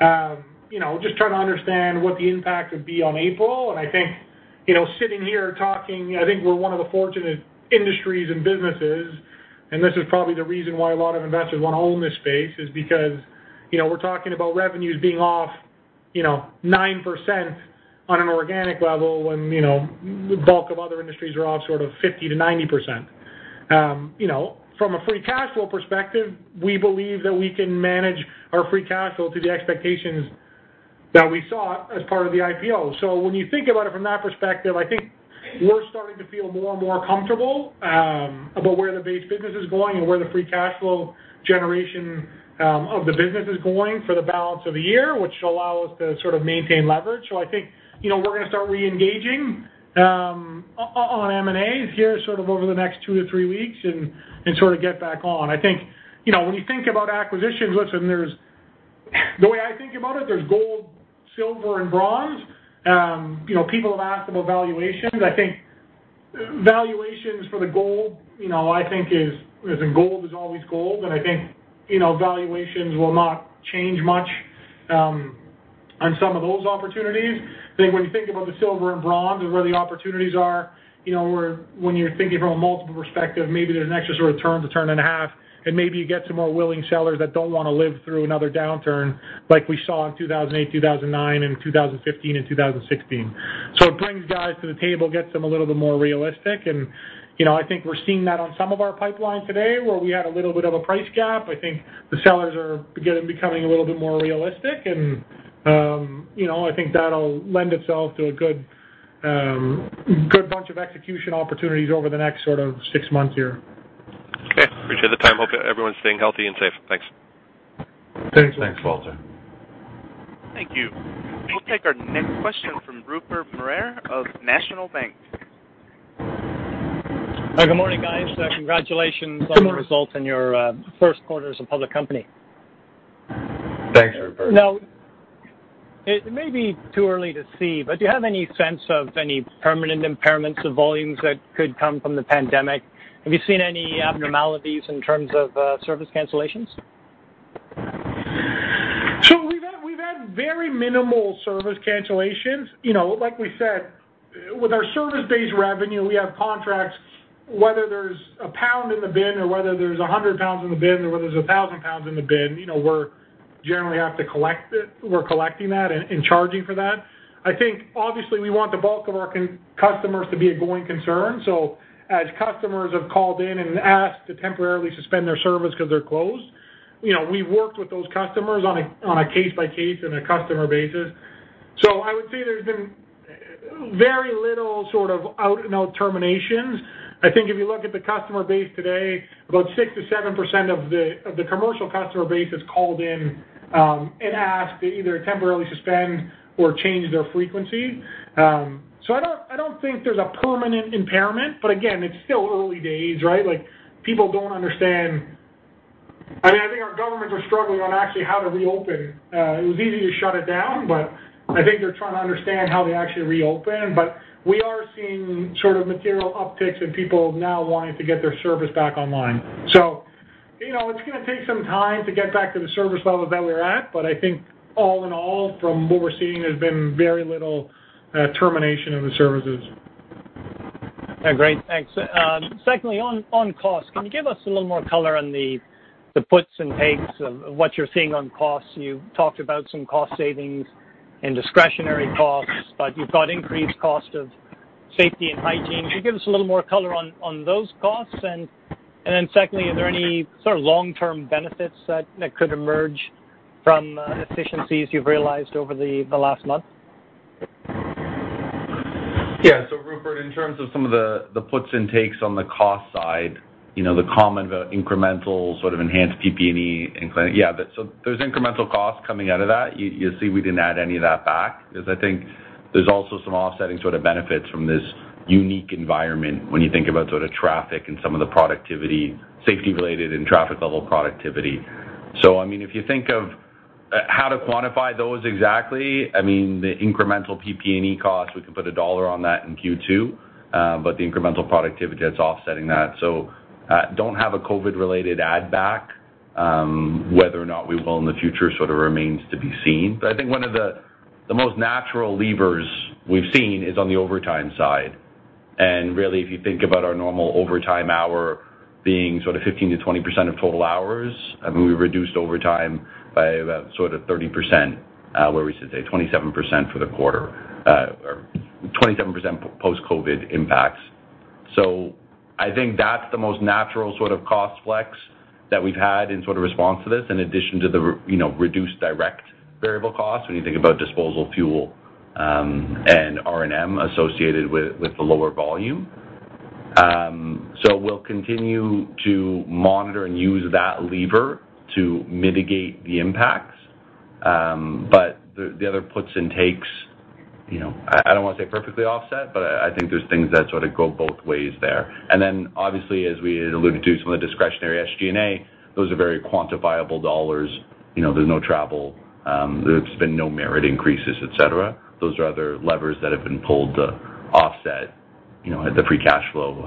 Just trying to understand what the impact would be on April. I think sitting here talking, I think we're one of the fortunate industries and businesses, and this is probably the reason why a lot of investors want to own this space, is because we're talking about revenues being off 9% on an organic level when the bulk of other industries are off sort of 50% to 90%. From a free cash flow perspective, we believe that we can manage our free cash flow to the expectations that we saw as part of the IPO. When you think about it from that perspective, I think we're starting to feel more and more comfortable about where the base business is going and where the free cash flow generation of the business is going for the balance of the year, which will allow us to sort of maintain leverage. I think we're going to start reengaging on M&As here sort of over the next two to three weeks and sort of get back on. When you think about acquisitions, listen, the way I think about it, there's gold, silver and bronze. People have asked about valuations. I think valuations for the gold, I think gold is always gold, and I think valuations will not change much on some of those opportunities. I think when you think about the silver and bronze is where the opportunities are, when you're thinking from a multiple perspective, maybe there's an extra sort of turn to turn and a half, and maybe you get some more willing sellers that don't want to live through another downturn like we saw in 2008, 2009, and 2015 and 2016. It brings guys to the table, gets them a little bit more realistic, and I think we're seeing that on some of our pipeline today where we had a little bit of a price gap. I think the sellers are becoming a little bit more realistic, and I think that'll lend itself to a good bunch of execution opportunities over the next sort of six months here. Okay. Appreciate the time. Hope everyone's staying healthy and safe. Thanks. Thanks, Walter. Thank you. We'll take our next question from Rupert Merer of National Bank. Good morning, guys. Congratulations on the results in your Q1 as a public company. Thanks, Rupert. It may be too early to see, but do you have any sense of any permanent impairments of volumes that could come from the pandemic? Have you seen any abnormalities in terms of service cancellations? We've had very minimal service cancellations. Like we said, with our service-based revenue, we have contracts whether there's a pound in the bin or whether there's 100 pounds in the bin, or whether there's 1,000 pounds in the bin, we generally have to collect it. We're collecting that and charging for that. I think obviously we want the bulk of our customers to be a going concern. As customers have called in and asked to temporarily suspend their service because they're closed, we've worked with those customers on a case-by-case and a customer basis. I would say there's been very little sort of out and out terminations. I think if you look at the customer base today, about 6%-7% of the commercial customer base has called in and asked to either temporarily suspend or change their frequency. I don't think there's a permanent impairment, but again, it's still early days, right? I think our governments are struggling on actually how to reopen. It was easy to shut it down, but I think they're trying to understand how they actually reopen. We are seeing sort of material upticks in people now wanting to get their service back online. It's going to take some time to get back to the service levels that we're at. I think all in all, from what we're seeing, there's been very little termination of the services. Great. Thanks. Secondly, on cost, can you give us a little more color on the puts and takes of what you're seeing on costs? You talked about some cost savings and discretionary costs, but you've got increased cost of safety and hygiene. Can you give us a little more color on those costs? Secondly, are there any sort of long-term benefits that could emerge from efficiencies you've realized over the last month? Rupert, in terms of some of the puts and takes on the cost side, the common incremental sort of enhanced PP&E. There's incremental costs coming out of that. You'll see we didn't add any of that back because I think there's also some offsetting sort of benefits from this unique environment when you think about sort of traffic and some of the productivity, safety related and traffic level productivity. If you think of how to quantify those exactly, the incremental PP&E costs, we can put a dollar on that in Q2. The incremental productivity that's offsetting that. Don't have a COVID related add back. Whether or not we will in the future sort of remains to be seen. I think one of the most natural levers we've seen is on the overtime side. Really, if you think about our normal overtime hour being sort of 15%-20% of total hours, we reduced overtime by about sort of 30%, or we should say 27% for the quarter, or 27% post-COVID impacts. I think that's the most natural sort of cost flex that we've had in sort of response to this, in addition to the reduced direct variable costs when you think about disposal fuel, and R&M associated with the lower volume. We'll continue to monitor and use that lever to mitigate the impacts. The other puts and takes, I don't want to say perfectly offset, but I think there's things that sort of go both ways there. Obviously, as we alluded to, some of the discretionary SG&A, those are very quantifiable Canadian dollars. There's no travel. There's been no merit increases, et cetera. Those are other levers that have been pulled to offset, you know, the free cash flow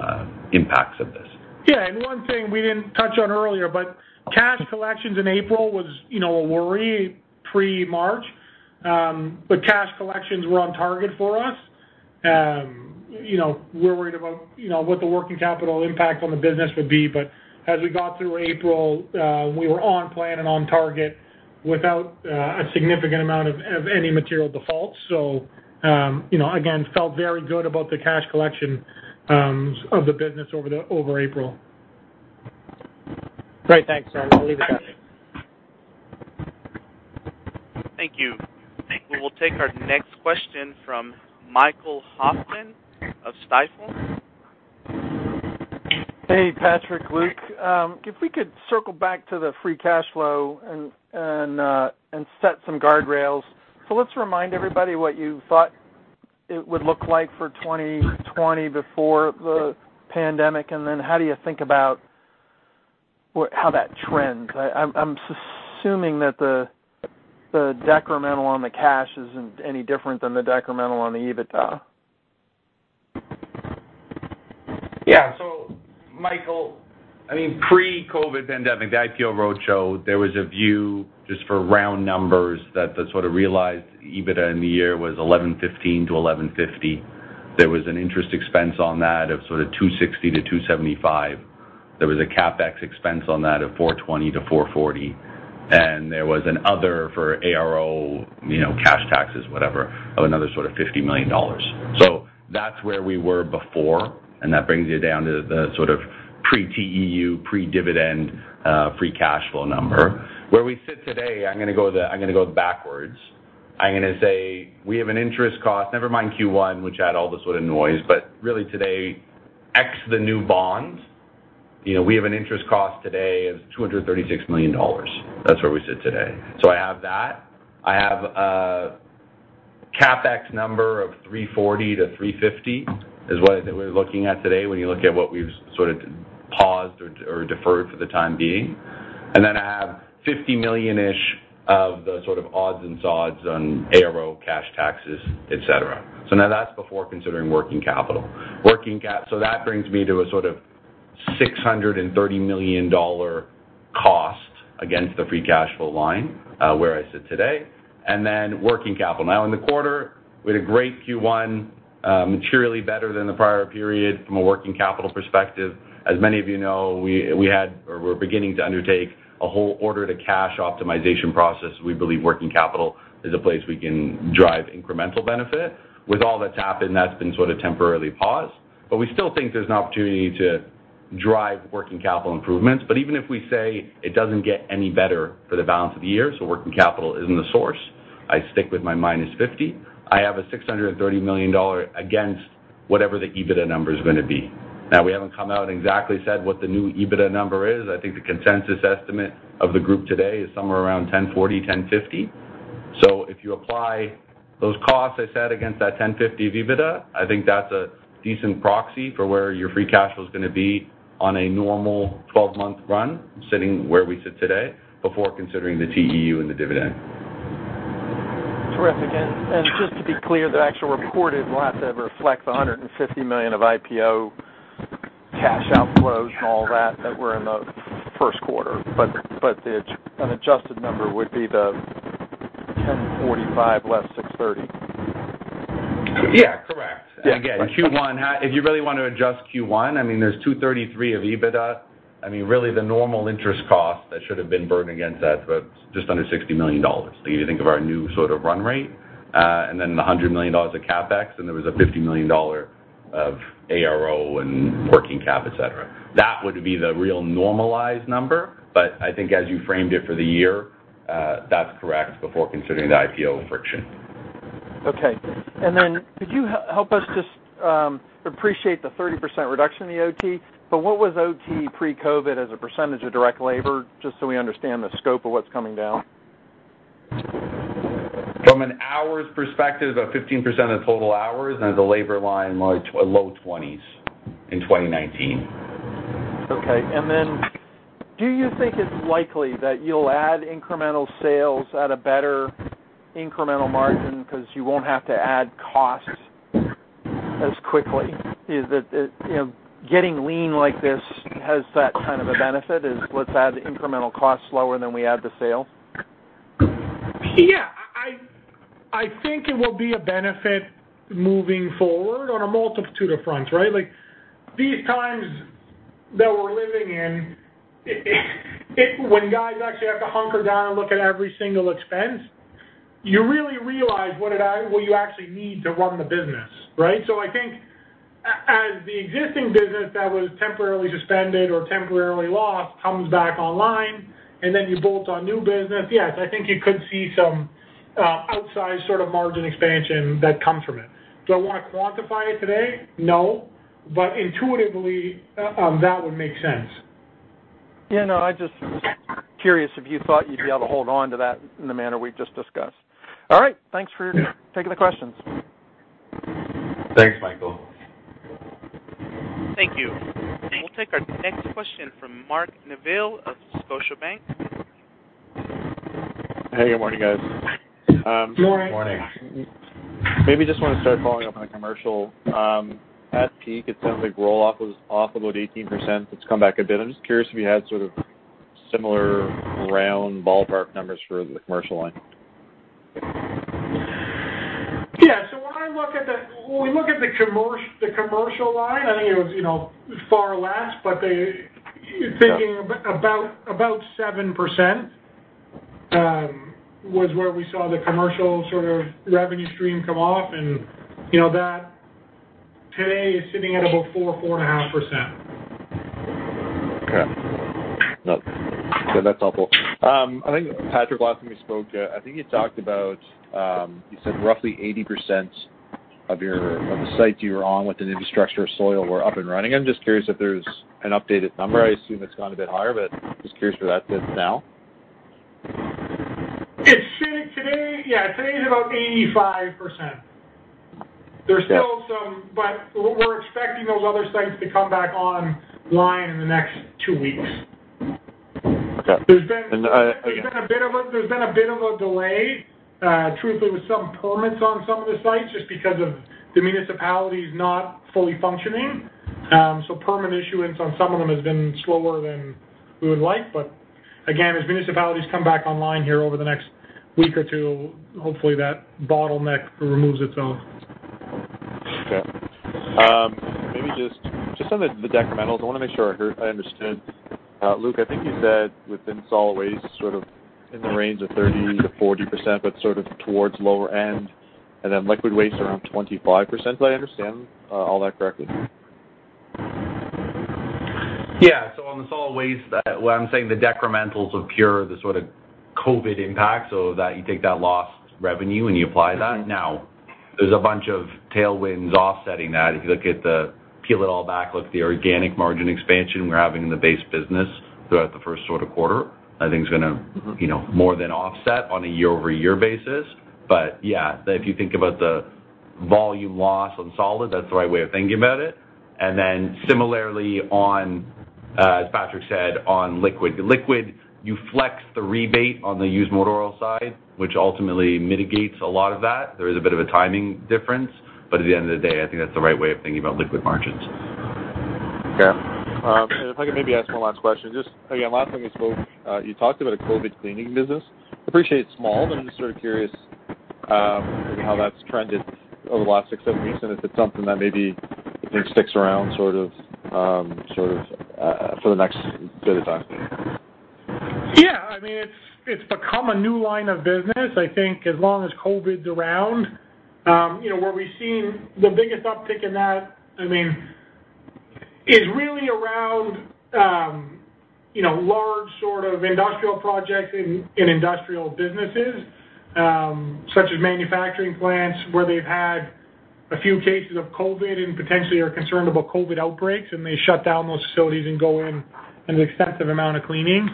impacts of this. Yeah. One thing we didn't touch on earlier, but cash collections in April was a worry pre-March. Cash collections were on target for us. We're worried about what the working capital impact on the business would be. As we got through April, we were on plan and on target without a significant amount of any material defaults. Again, felt very good about the cash collection of the business over April. Great. Thanks, gentlemen. I'll leave it at that. Thank you. We will take our next question from Michael Hoffman of Stifel. Hey, Patrick, Luke. If we could circle back to the free cash flow and set some guardrails. Let's remind everybody what you thought it would look like for 2020 before the pandemic, and then how do you think about how that trends? I'm assuming that the decremental on the cash isn't any different than the decremental on the EBITDA. Michael, pre-COVID-19 pandemic, the IPO roadshow, there was a view just for round numbers that the realized EBITDA in the year was 1,115-1,150. There was an interest expense on that of 260-275. There was a CapEx expense on that of 420-440. There was an other for ARO, cash taxes, whatever, of another 50 million dollars. That's where we were before, and that brings you down to the pre-TEU, pre-dividend free cash flow number. Where we sit today, I'm going to go backwards. I'm going to say we have an interest cost, never mind Q1, which had all the noise, but really today, ex the new bonds, we have an interest cost today of 236 million dollars. That's where we sit today. I have that. I have a CapEx number of 340-350, is what we're looking at today when you look at what we've sort of paused or deferred for the time being. I have 50 million-ish of the sort of odds and sods on ARO, cash taxes, et cetera. That's before considering working capital. That brings me to a sort of 630 million dollar cost against the free cash flow line, where I sit today. Working capital. Now in the quarter, we had a great Q1, materially better than the prior period from a working capital perspective. As many of you know, we're beginning to undertake a whole order-to-cash optimization process. We believe working capital is a place we can drive incremental benefit. With all that's happened, that's been sort of temporarily paused. We still think there's an opportunity to drive working capital improvements. Even if we say it doesn't get any better for the balance of the year, so working capital isn't the source, I stick with my -50. I have a 630 million dollar against whatever the EBITDA number is going to be. Now we haven't come out and exactly said what the new EBITDA number is. I think the consensus estimate of the group today is somewhere around 1,040, 1,050. If you apply those costs I said against that 1,050 of EBITDA, I think that's a decent proxy for where your free cash flow is going to be on a normal 12-month run, sitting where we sit today, before considering the TEU and the dividend. Terrific. Just to be clear, the actual reported will have to reflect the 150 million of IPO cash outflows and all that that were in Q1. An adjusted number would be the 1,045 less 630. Yeah. Correct. Again, Q1, if you really want to adjust Q1, there's 233 of EBITDA. Really the normal interest cost that should have been burdened against that is about just under 60 million dollars. If you think of our new sort of run rate, then the 100 million dollars of CapEx, there was a 50 million dollar of ARO and working cap, et cetera. That would be the real normalized number. I think as you framed it for the year, that's correct before considering the IPO friction. Okay. Could you help us just appreciate the 30% reduction in the OT? What was OT pre-COVID as a percentage of direct labor, just so we understand the scope of what's coming down? From an hours perspective, about 15% of the total hours, and as a labor line, low 20s in 2019. Okay. Do you think it's likely that you'll add incremental sales at a better incremental margin because you won't have to add costs as quickly? Getting lean like this has that kind of a benefit, is let's add the incremental cost slower than we add the sale? Yeah. I think it will be a benefit moving forward on a multitude of fronts, right? These times that we're living in, when guys actually have to hunker down and look at every single expense, you really realize what you actually need to run the business, right? I think as the existing business that was temporarily suspended or temporarily lost comes back online, and then you bolt on new business, yes, I think you could see some outsized sort of margin expansion that comes from it. Do I want to quantify it today? No. Intuitively, that would make sense. Yeah, no, I just was curious if you thought you'd be able to hold on to that in the manner we've just discussed. All right. Thanks for taking the questions. Thanks, Michael. Thank you. We'll take our next question from Mark Neville of Scotiabank. Hey, good morning, guys. Good morning. Just want to start following up on the commercial. At peak, it sounds like roll-off was off about 18%. It's come back a bit. I'm just curious if you had similar round ballpark numbers for the commercial line? Yeah. When we look at the commercial line, I think it was far less, but thinking about 7% was where we saw the commercial revenue stream come off, and that today is sitting at about 4%, 4.5%. Okay. No, that's helpful. I think Patrick, last time you spoke, I think you said roughly 80% of the sites you were on with an infrastructure of soil were up and running. I'm just curious if there's an updated number. I assume it's gone a bit higher, but just curious where that sits now. It's sitting today at about 85%. There's still some, but we're expecting those other sites to come back online in the next two weeks. Okay. There's been a bit of a delay, truthfully, with some permits on some of the sites just because of the municipalities not fully functioning. Permit issuance on some of them has been slower than we would like. Again, as municipalities come back online here over the next week or two, hopefully that bottleneck removes itself. Okay. Maybe just on the decrementals, I want to make sure I understood. Luke, I think you said within solid waste, in the range of 30%-40%, but towards lower end, and then liquid waste around 25%. Did I understand all that correctly? On the solid waste, when I'm saying the decrementals of pure, the COVID-19 impact, that you take that lost revenue and you apply that. There's a bunch of tailwinds offsetting that. If you peel it all back, look at the organic margin expansion we're having in the base business throughout Q1, I think it's going to more than offset on a year-over-year basis. Yeah, if you think about the volume loss on solid, that's the right way of thinking about it. Similarly, as Patrick said, on liquid, you flex the rebate on the used motor oil side, which ultimately mitigates a lot of that. There is a bit of a timing difference, at the end of the day, I think that's the right way of thinking about liquid margins. Okay. If I could maybe ask one last question. Just again, last time we spoke, you talked about a COVID cleaning business. Appreciate it's small, but I'm just curious how that's trended over the last six, seven weeks, and if it's something that maybe sticks around for the next bit of time. Yeah. It's become a new line of business. I think as long as COVID-19's around, where we've seen the biggest uptick in that is really around large industrial projects in industrial businesses, such as manufacturing plants where they've had a few cases of COVID-19 and potentially are concerned about COVID-19 outbreaks, and they shut down those facilities and go in an extensive amount of cleaning.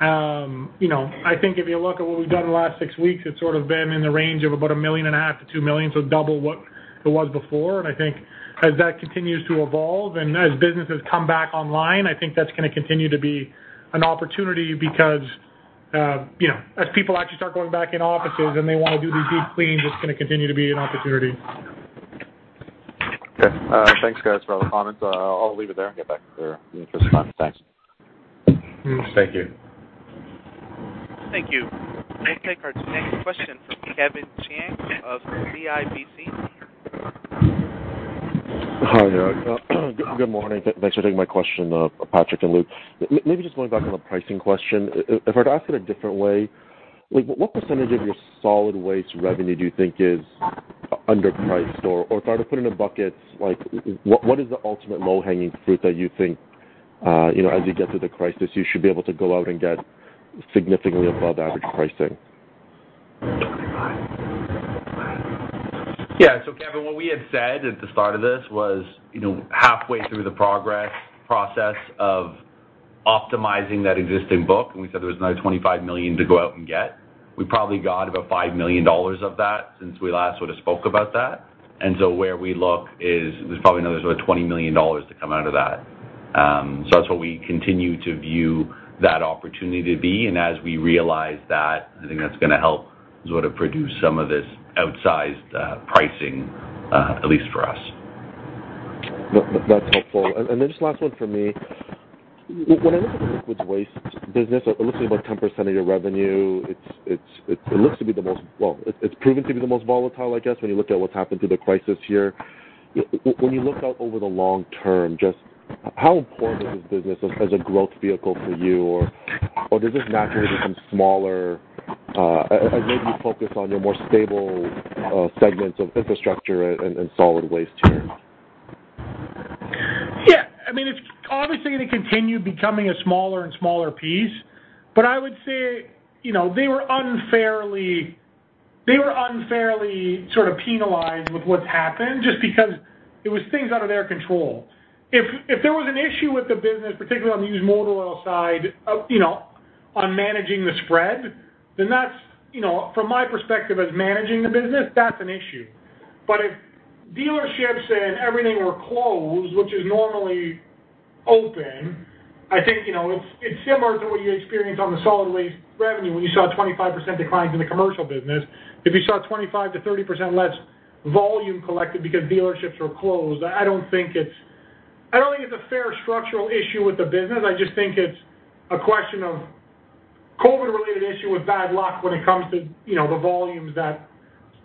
I think if you look at what we've done in the last six weeks, it's been in the range of about a 1.5 million-2 million, so double what it was before. I think as that continues to evolve and as businesses come back online, I think that's going to continue to be an opportunity because as people actually start going back in offices and they want to do these deep cleans, it's going to continue to be an opportunity. Okay. Thanks, guys, for all the comments. I'll leave it there and get back to everyone. Thanks. Thank you. Thank you. We'll take our next question from Kevin Chiang of CIBC. Hi there. Good morning. Thanks for taking my question, Patrick and Luke. Maybe just going back on the pricing question. If I were to ask it a different way, what percentage of your solid waste revenue do you think is underpriced? If I were to put it in a bucket, what is the ultimate low-hanging fruit that you think, as you get through the crisis, you should be able to go out and get significantly above average pricing? Go ahead. Yeah. Kevin, what we had said at the start of this was, halfway through the progress process of optimizing that existing book, and we said there was another 25 million to go out and get. We probably got about 5 million dollars of that since we last spoke about that. where we look is there's probably another sort of 20 million dollars to come out of that. that's what we continue to view that opportunity to be, and as we realize that, I think that's going to help produce some of this outsized pricing, at least for us. That's helpful. Then just last one from me. When I look at the liquid waste business, it looks to be about 10% of your revenue. It's proven to be the most volatile, I guess, when you look at what's happened through the crisis here. When you look out over the long term, just how important is this business as a growth vehicle for you? Or does this naturally become smaller as maybe you focus on your more stable segments of infrastructure and solid waste here? Yeah. It's obviously going to continue becoming a smaller and smaller piece, but I would say they were unfairly penalized with what's happened, just because it was things out of their control. If there was an issue with the business, particularly on the used motor oil side, on managing the spread, then from my perspective as managing the business, that's an issue. If dealerships and everything were closed, which is normally open, I think it's similar to what you experience on the solid waste revenue when you saw a 25% decline in the commercial business. If you saw 25%-30% less volume collected because dealerships were closed, I don't think it's a fair structural issue with the business. I just think it's a question of COVID-related issue with bad luck when it comes to the volumes that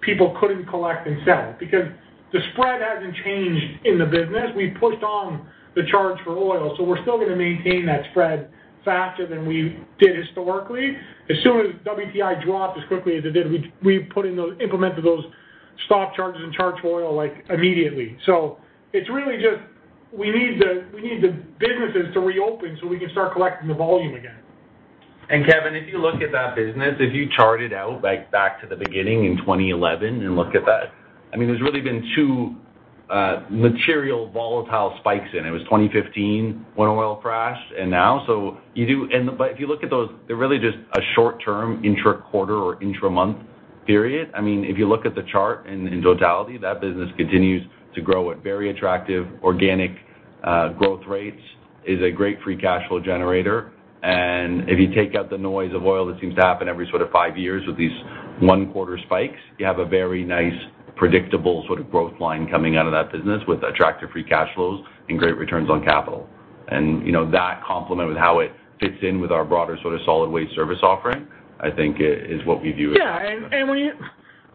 people couldn't collect and sell. The spread hasn't changed in the business. We pushed on the charge for oil, we're still going to maintain that spread faster than we did historically. As soon as WTI dropped as quickly as it did, we implemented those spot charges and charged for oil immediately. It's really just we need the businesses to reopen so we can start collecting the volume again. Kevin, if you look at that business, if you chart it out back to the beginning in 2011 and look at that, there has really been two material volatile spikes in it. It was 2015 when oil crashed and now. If you look at those, they are really just a short-term intra-quarter or intra-month period. If you look at the chart in totality, that business continues to grow at very attractive organic growth rates. It is a great free cash flow generator. If you take out the noise of oil that seems to happen every five years with these one-quarter spikes, you have a very nice predictable growth line coming out of that business with attractive free cash flows and great returns on capital. That complemented with how it fits in with our broader solid waste service offering. Yeah,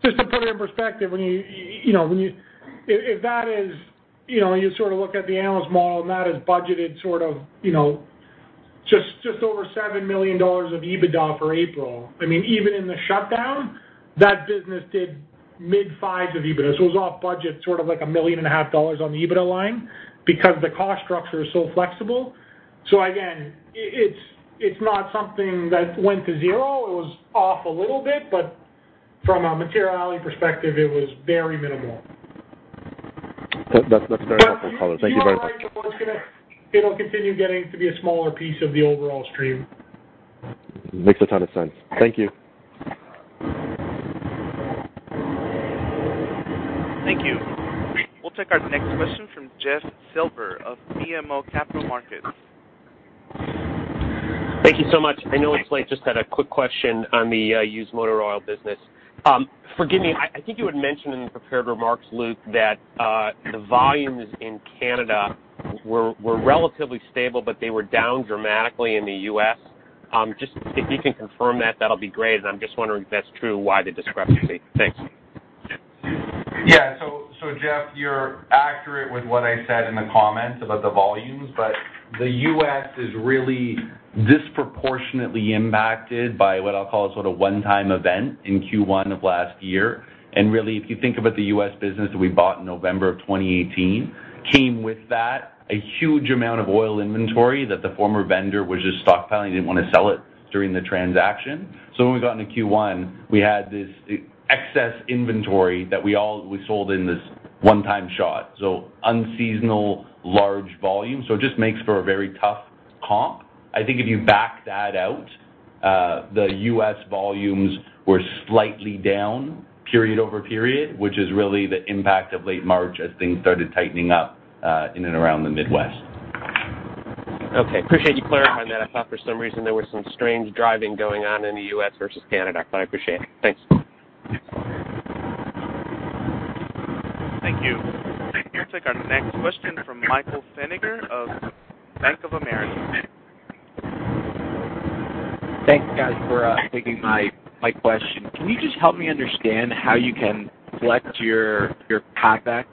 just to put it in perspective, if you look at the analyst model, that is budgeted just over 7 million dollars of EBITDA for April. Even in the shutdown, that business did mid-fives of EBITDA. It was off budget a 1.5 million on the EBITDA line because the cost structure is so flexible. Again, it's not something that went to zero. It was off a little bit, from a materiality perspective, it was very minimal. That's very helpful, color. Thank you very much. You're right though, it'll continue getting to be a smaller piece of the overall stream. Makes a ton of sense. Thank you. Thank you. We'll take our next question from Jeff Silber of BMO Capital Markets. Thank you so much. I know it's late, just had a quick question on the used motor oil business. Forgive me, I think you had mentioned in the prepared remarks, Luke, that the volumes in Canada were relatively stable, but they were down dramatically in the U.S. Just if you can confirm that'll be great. I'm just wondering if that's true, why the discrepancy? Thanks. Yeah. Jeff, you're accurate with what I said in the comments about the volumes, the U.S. is really disproportionately impacted by what I'll call a one-time event in Q1 of last year. Really, if you think about the U.S. business that we bought in November of 2018, came with that, a huge amount of oil inventory that the former vendor was just stockpiling, didn't want to sell it during the transaction. When we got into Q1, we had this excess inventory that we sold in this one-time shot. Unseasonal large volume. It just makes for a very tough comp. I think if you back that out, the U.S. volumes were slightly down period-over-period, which is really the impact of late March as things started tightening up in and around the Midwest. Okay. Appreciate you clarifying that. I thought for some reason there was some strange driving going on in the U.S. versus Canada, but I appreciate it. Thanks. Thank you. We'll take our next question from Michael Feniger of Bank of America. Thanks guys for taking my question. Can you just help me understand how you can select your CapEx?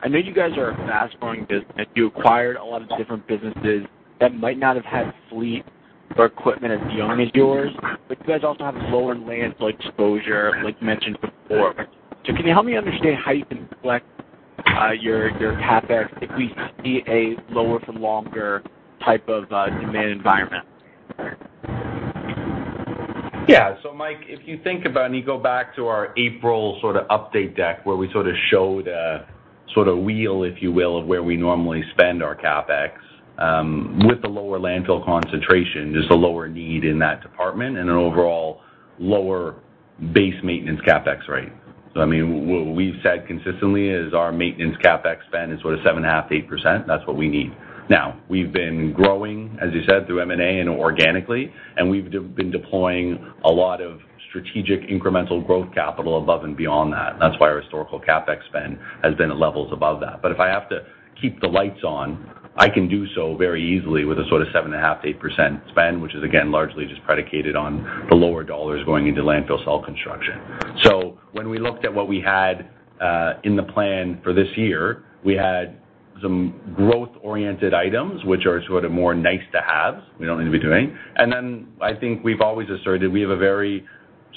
I know you guys are a fast-growing business. You acquired a lot of different businesses that might not have had fleet or equipment as young as yours, but you guys also have lower landfill exposure, like you mentioned before. Can you help me understand how you can select your CapEx if we see a lower for longer type of demand environment? Yeah. Mike, if you think about, and you go back to our April update deck where we showed a wheel, if you will, of where we normally spend our CapEx. With the lower landfill concentration, there's a lower need in that department and an overall lower base maintenance CapEx rate. What we've said consistently is our maintenance CapEx spend is what, 7.5%, 8%. That's what we need. We've been growing, as you said, through M&A and organically, and we've been deploying a lot of strategic incremental growth capital above and beyond that. That's why our historical CapEx spend has been at levels above that. If I have to keep the lights on, I can do so very easily with a 7.5%, 8% spend, which is again, largely just predicated on the lower dollars going into landfill cell construction. When we looked at what we had in the plan for this year, we had some growth-oriented items, which are more nice to have, we don't need to be doing. Then I think we've always asserted we have a very,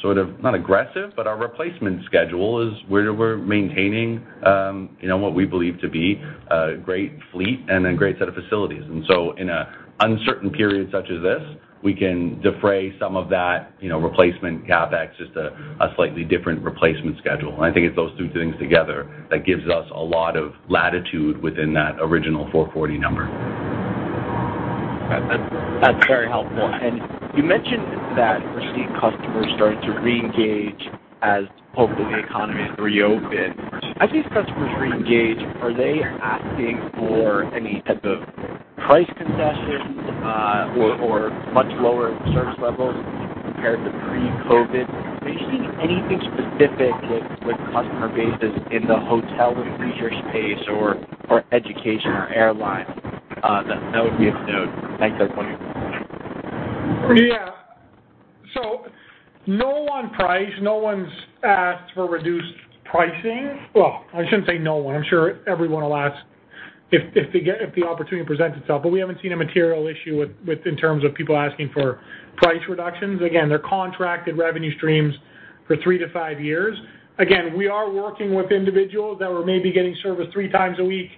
not aggressive, but our replacement schedule is where we're maintaining what we believe to be a great fleet and a great set of facilities. In an uncertain period such as this, we can defray some of that replacement CapEx, just a slightly different replacement schedule. I think it's those two things together that gives us a lot of latitude within that original 440 number. That's very helpful. You mentioned that we're seeing customers starting to reengage as hopefully the economy has reopened. As these customers reengage, are they asking for any type of price concessions or much lower service levels compared to pre-COVID? Are you seeing anything specific with customer bases in the hotel and leisure space or education or airlines that would be of note? Thanks, everybody. Yeah. No on price. No one's asked for reduced pricing. Well, I shouldn't say no one. I'm sure everyone will ask if the opportunity presents itself, but we haven't seen a material issue in terms of people asking for price reductions. Again, they're contracted revenue streams for three to five years. Again, we are working with individuals that were maybe getting service 3x a week,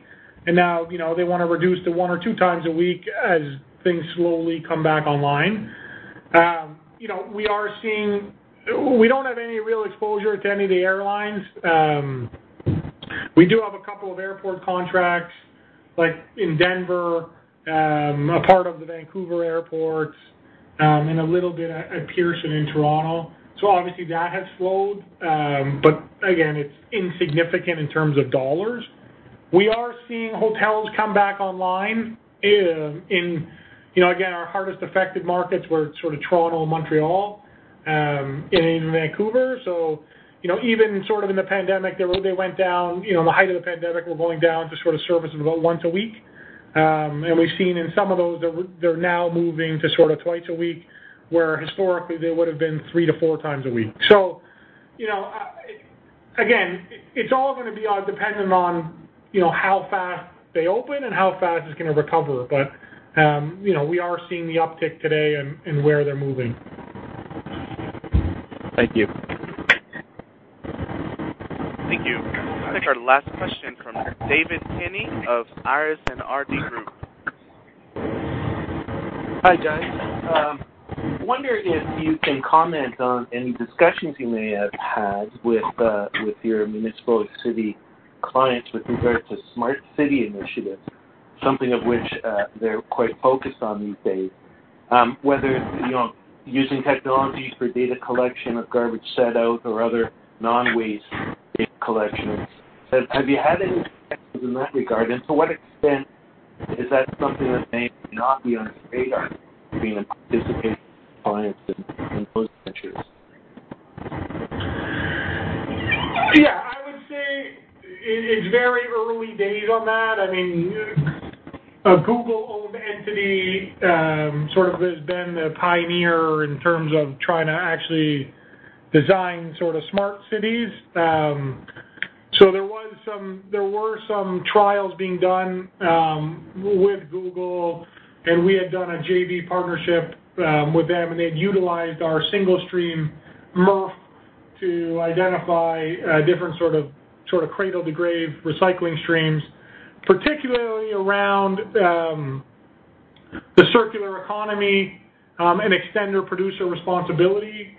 and now, they want to reduce to one or 2x a week as things slowly come back online. We don't have any real exposure to any of the airlines. We do have a couple of airport contracts, like in Denver, a part of the Vancouver airports, and a little bit at Pearson in Toronto. Obviously that has slowed. Again, it's insignificant in terms of dollars. We are seeing hotels come back online in, again, our hardest affected markets were sort of Toronto, Montreal, and even Vancouver. Even in the pandemic, they went down, in the height of the pandemic, were going down to service about once a week. We've seen in some of those, they're now moving to twice a week, where historically they would've been three to 4x a week. Again, it's all going to be dependent on how fast they open and how fast it's going to recover. We are seeing the uptick today in where they're moving. Thank you. Thank you. We'll take our last question from David Keaney of Iris & RD Group. Hi, guys. I wonder if you can comment on any discussions you may have had with your municipal or city clients with regard to smart city initiatives, something of which they're quite focused on these days. Whether it's using technologies for data collection of garbage set out or other non-waste data collections. Have you had any discussions in that regard, and to what extent is that something that may or may not be on its radar, being anticipated with clients in those ventures? Yeah, I would say it's very early days on that. A Google-owned entity sort of has been the pioneer in terms of trying to actually design smart cities. There were some trials being done with Google, and we had done a JV partnership with them, and they had utilized our single-stream MRF to identify different sort of cradle-to-grave recycling streams, particularly around the circular economy and extended producer responsibility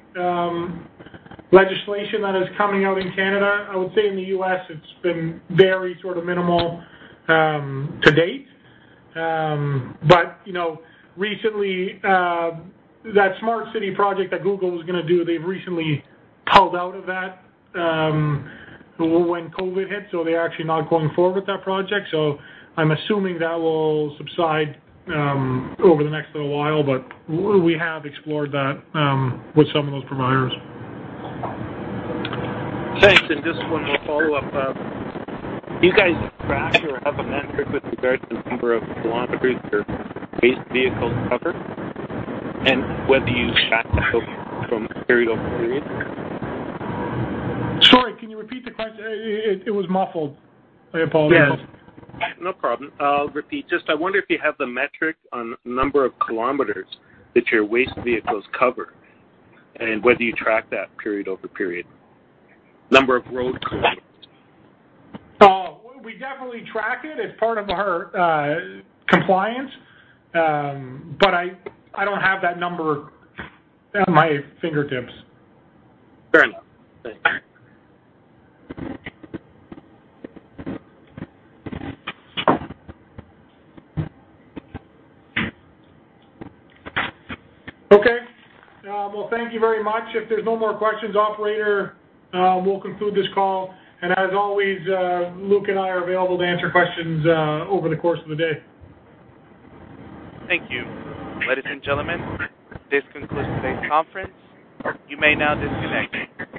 legislation that is coming out in Canada. I would say in the U.S. it's been very minimal to date. Recently, that smart city project that Google was going to do, they've recently pulled out of that when COVID hit, so they're actually not going forward with that project. I'm assuming that will subside over the next little while, but we have explored that with some of those providers. Thanks. Just one more follow-up. Do you guys track or have a metric with regards to the number of kilometers your waste vehicles cover, and whether you track that from period-over-period? Sorry, can you repeat the question? It was muffled. I apologize. Yes. No problem. I'll repeat. I wonder if you have the metric on number of kilometers that your waste vehicles cover, and whether you track that period-over-period. Number of road kilometers. We definitely track it as part of our compliance, but I don't have that number at my fingertips. Fair enough. Thanks. Okay. Well, thank you very much. If there's no more questions, operator, we'll conclude this call. As always, Luke and I are available to answer questions over the course of the day. Thank you. Ladies and gentlemen, this concludes today's conference. You may now disconnect.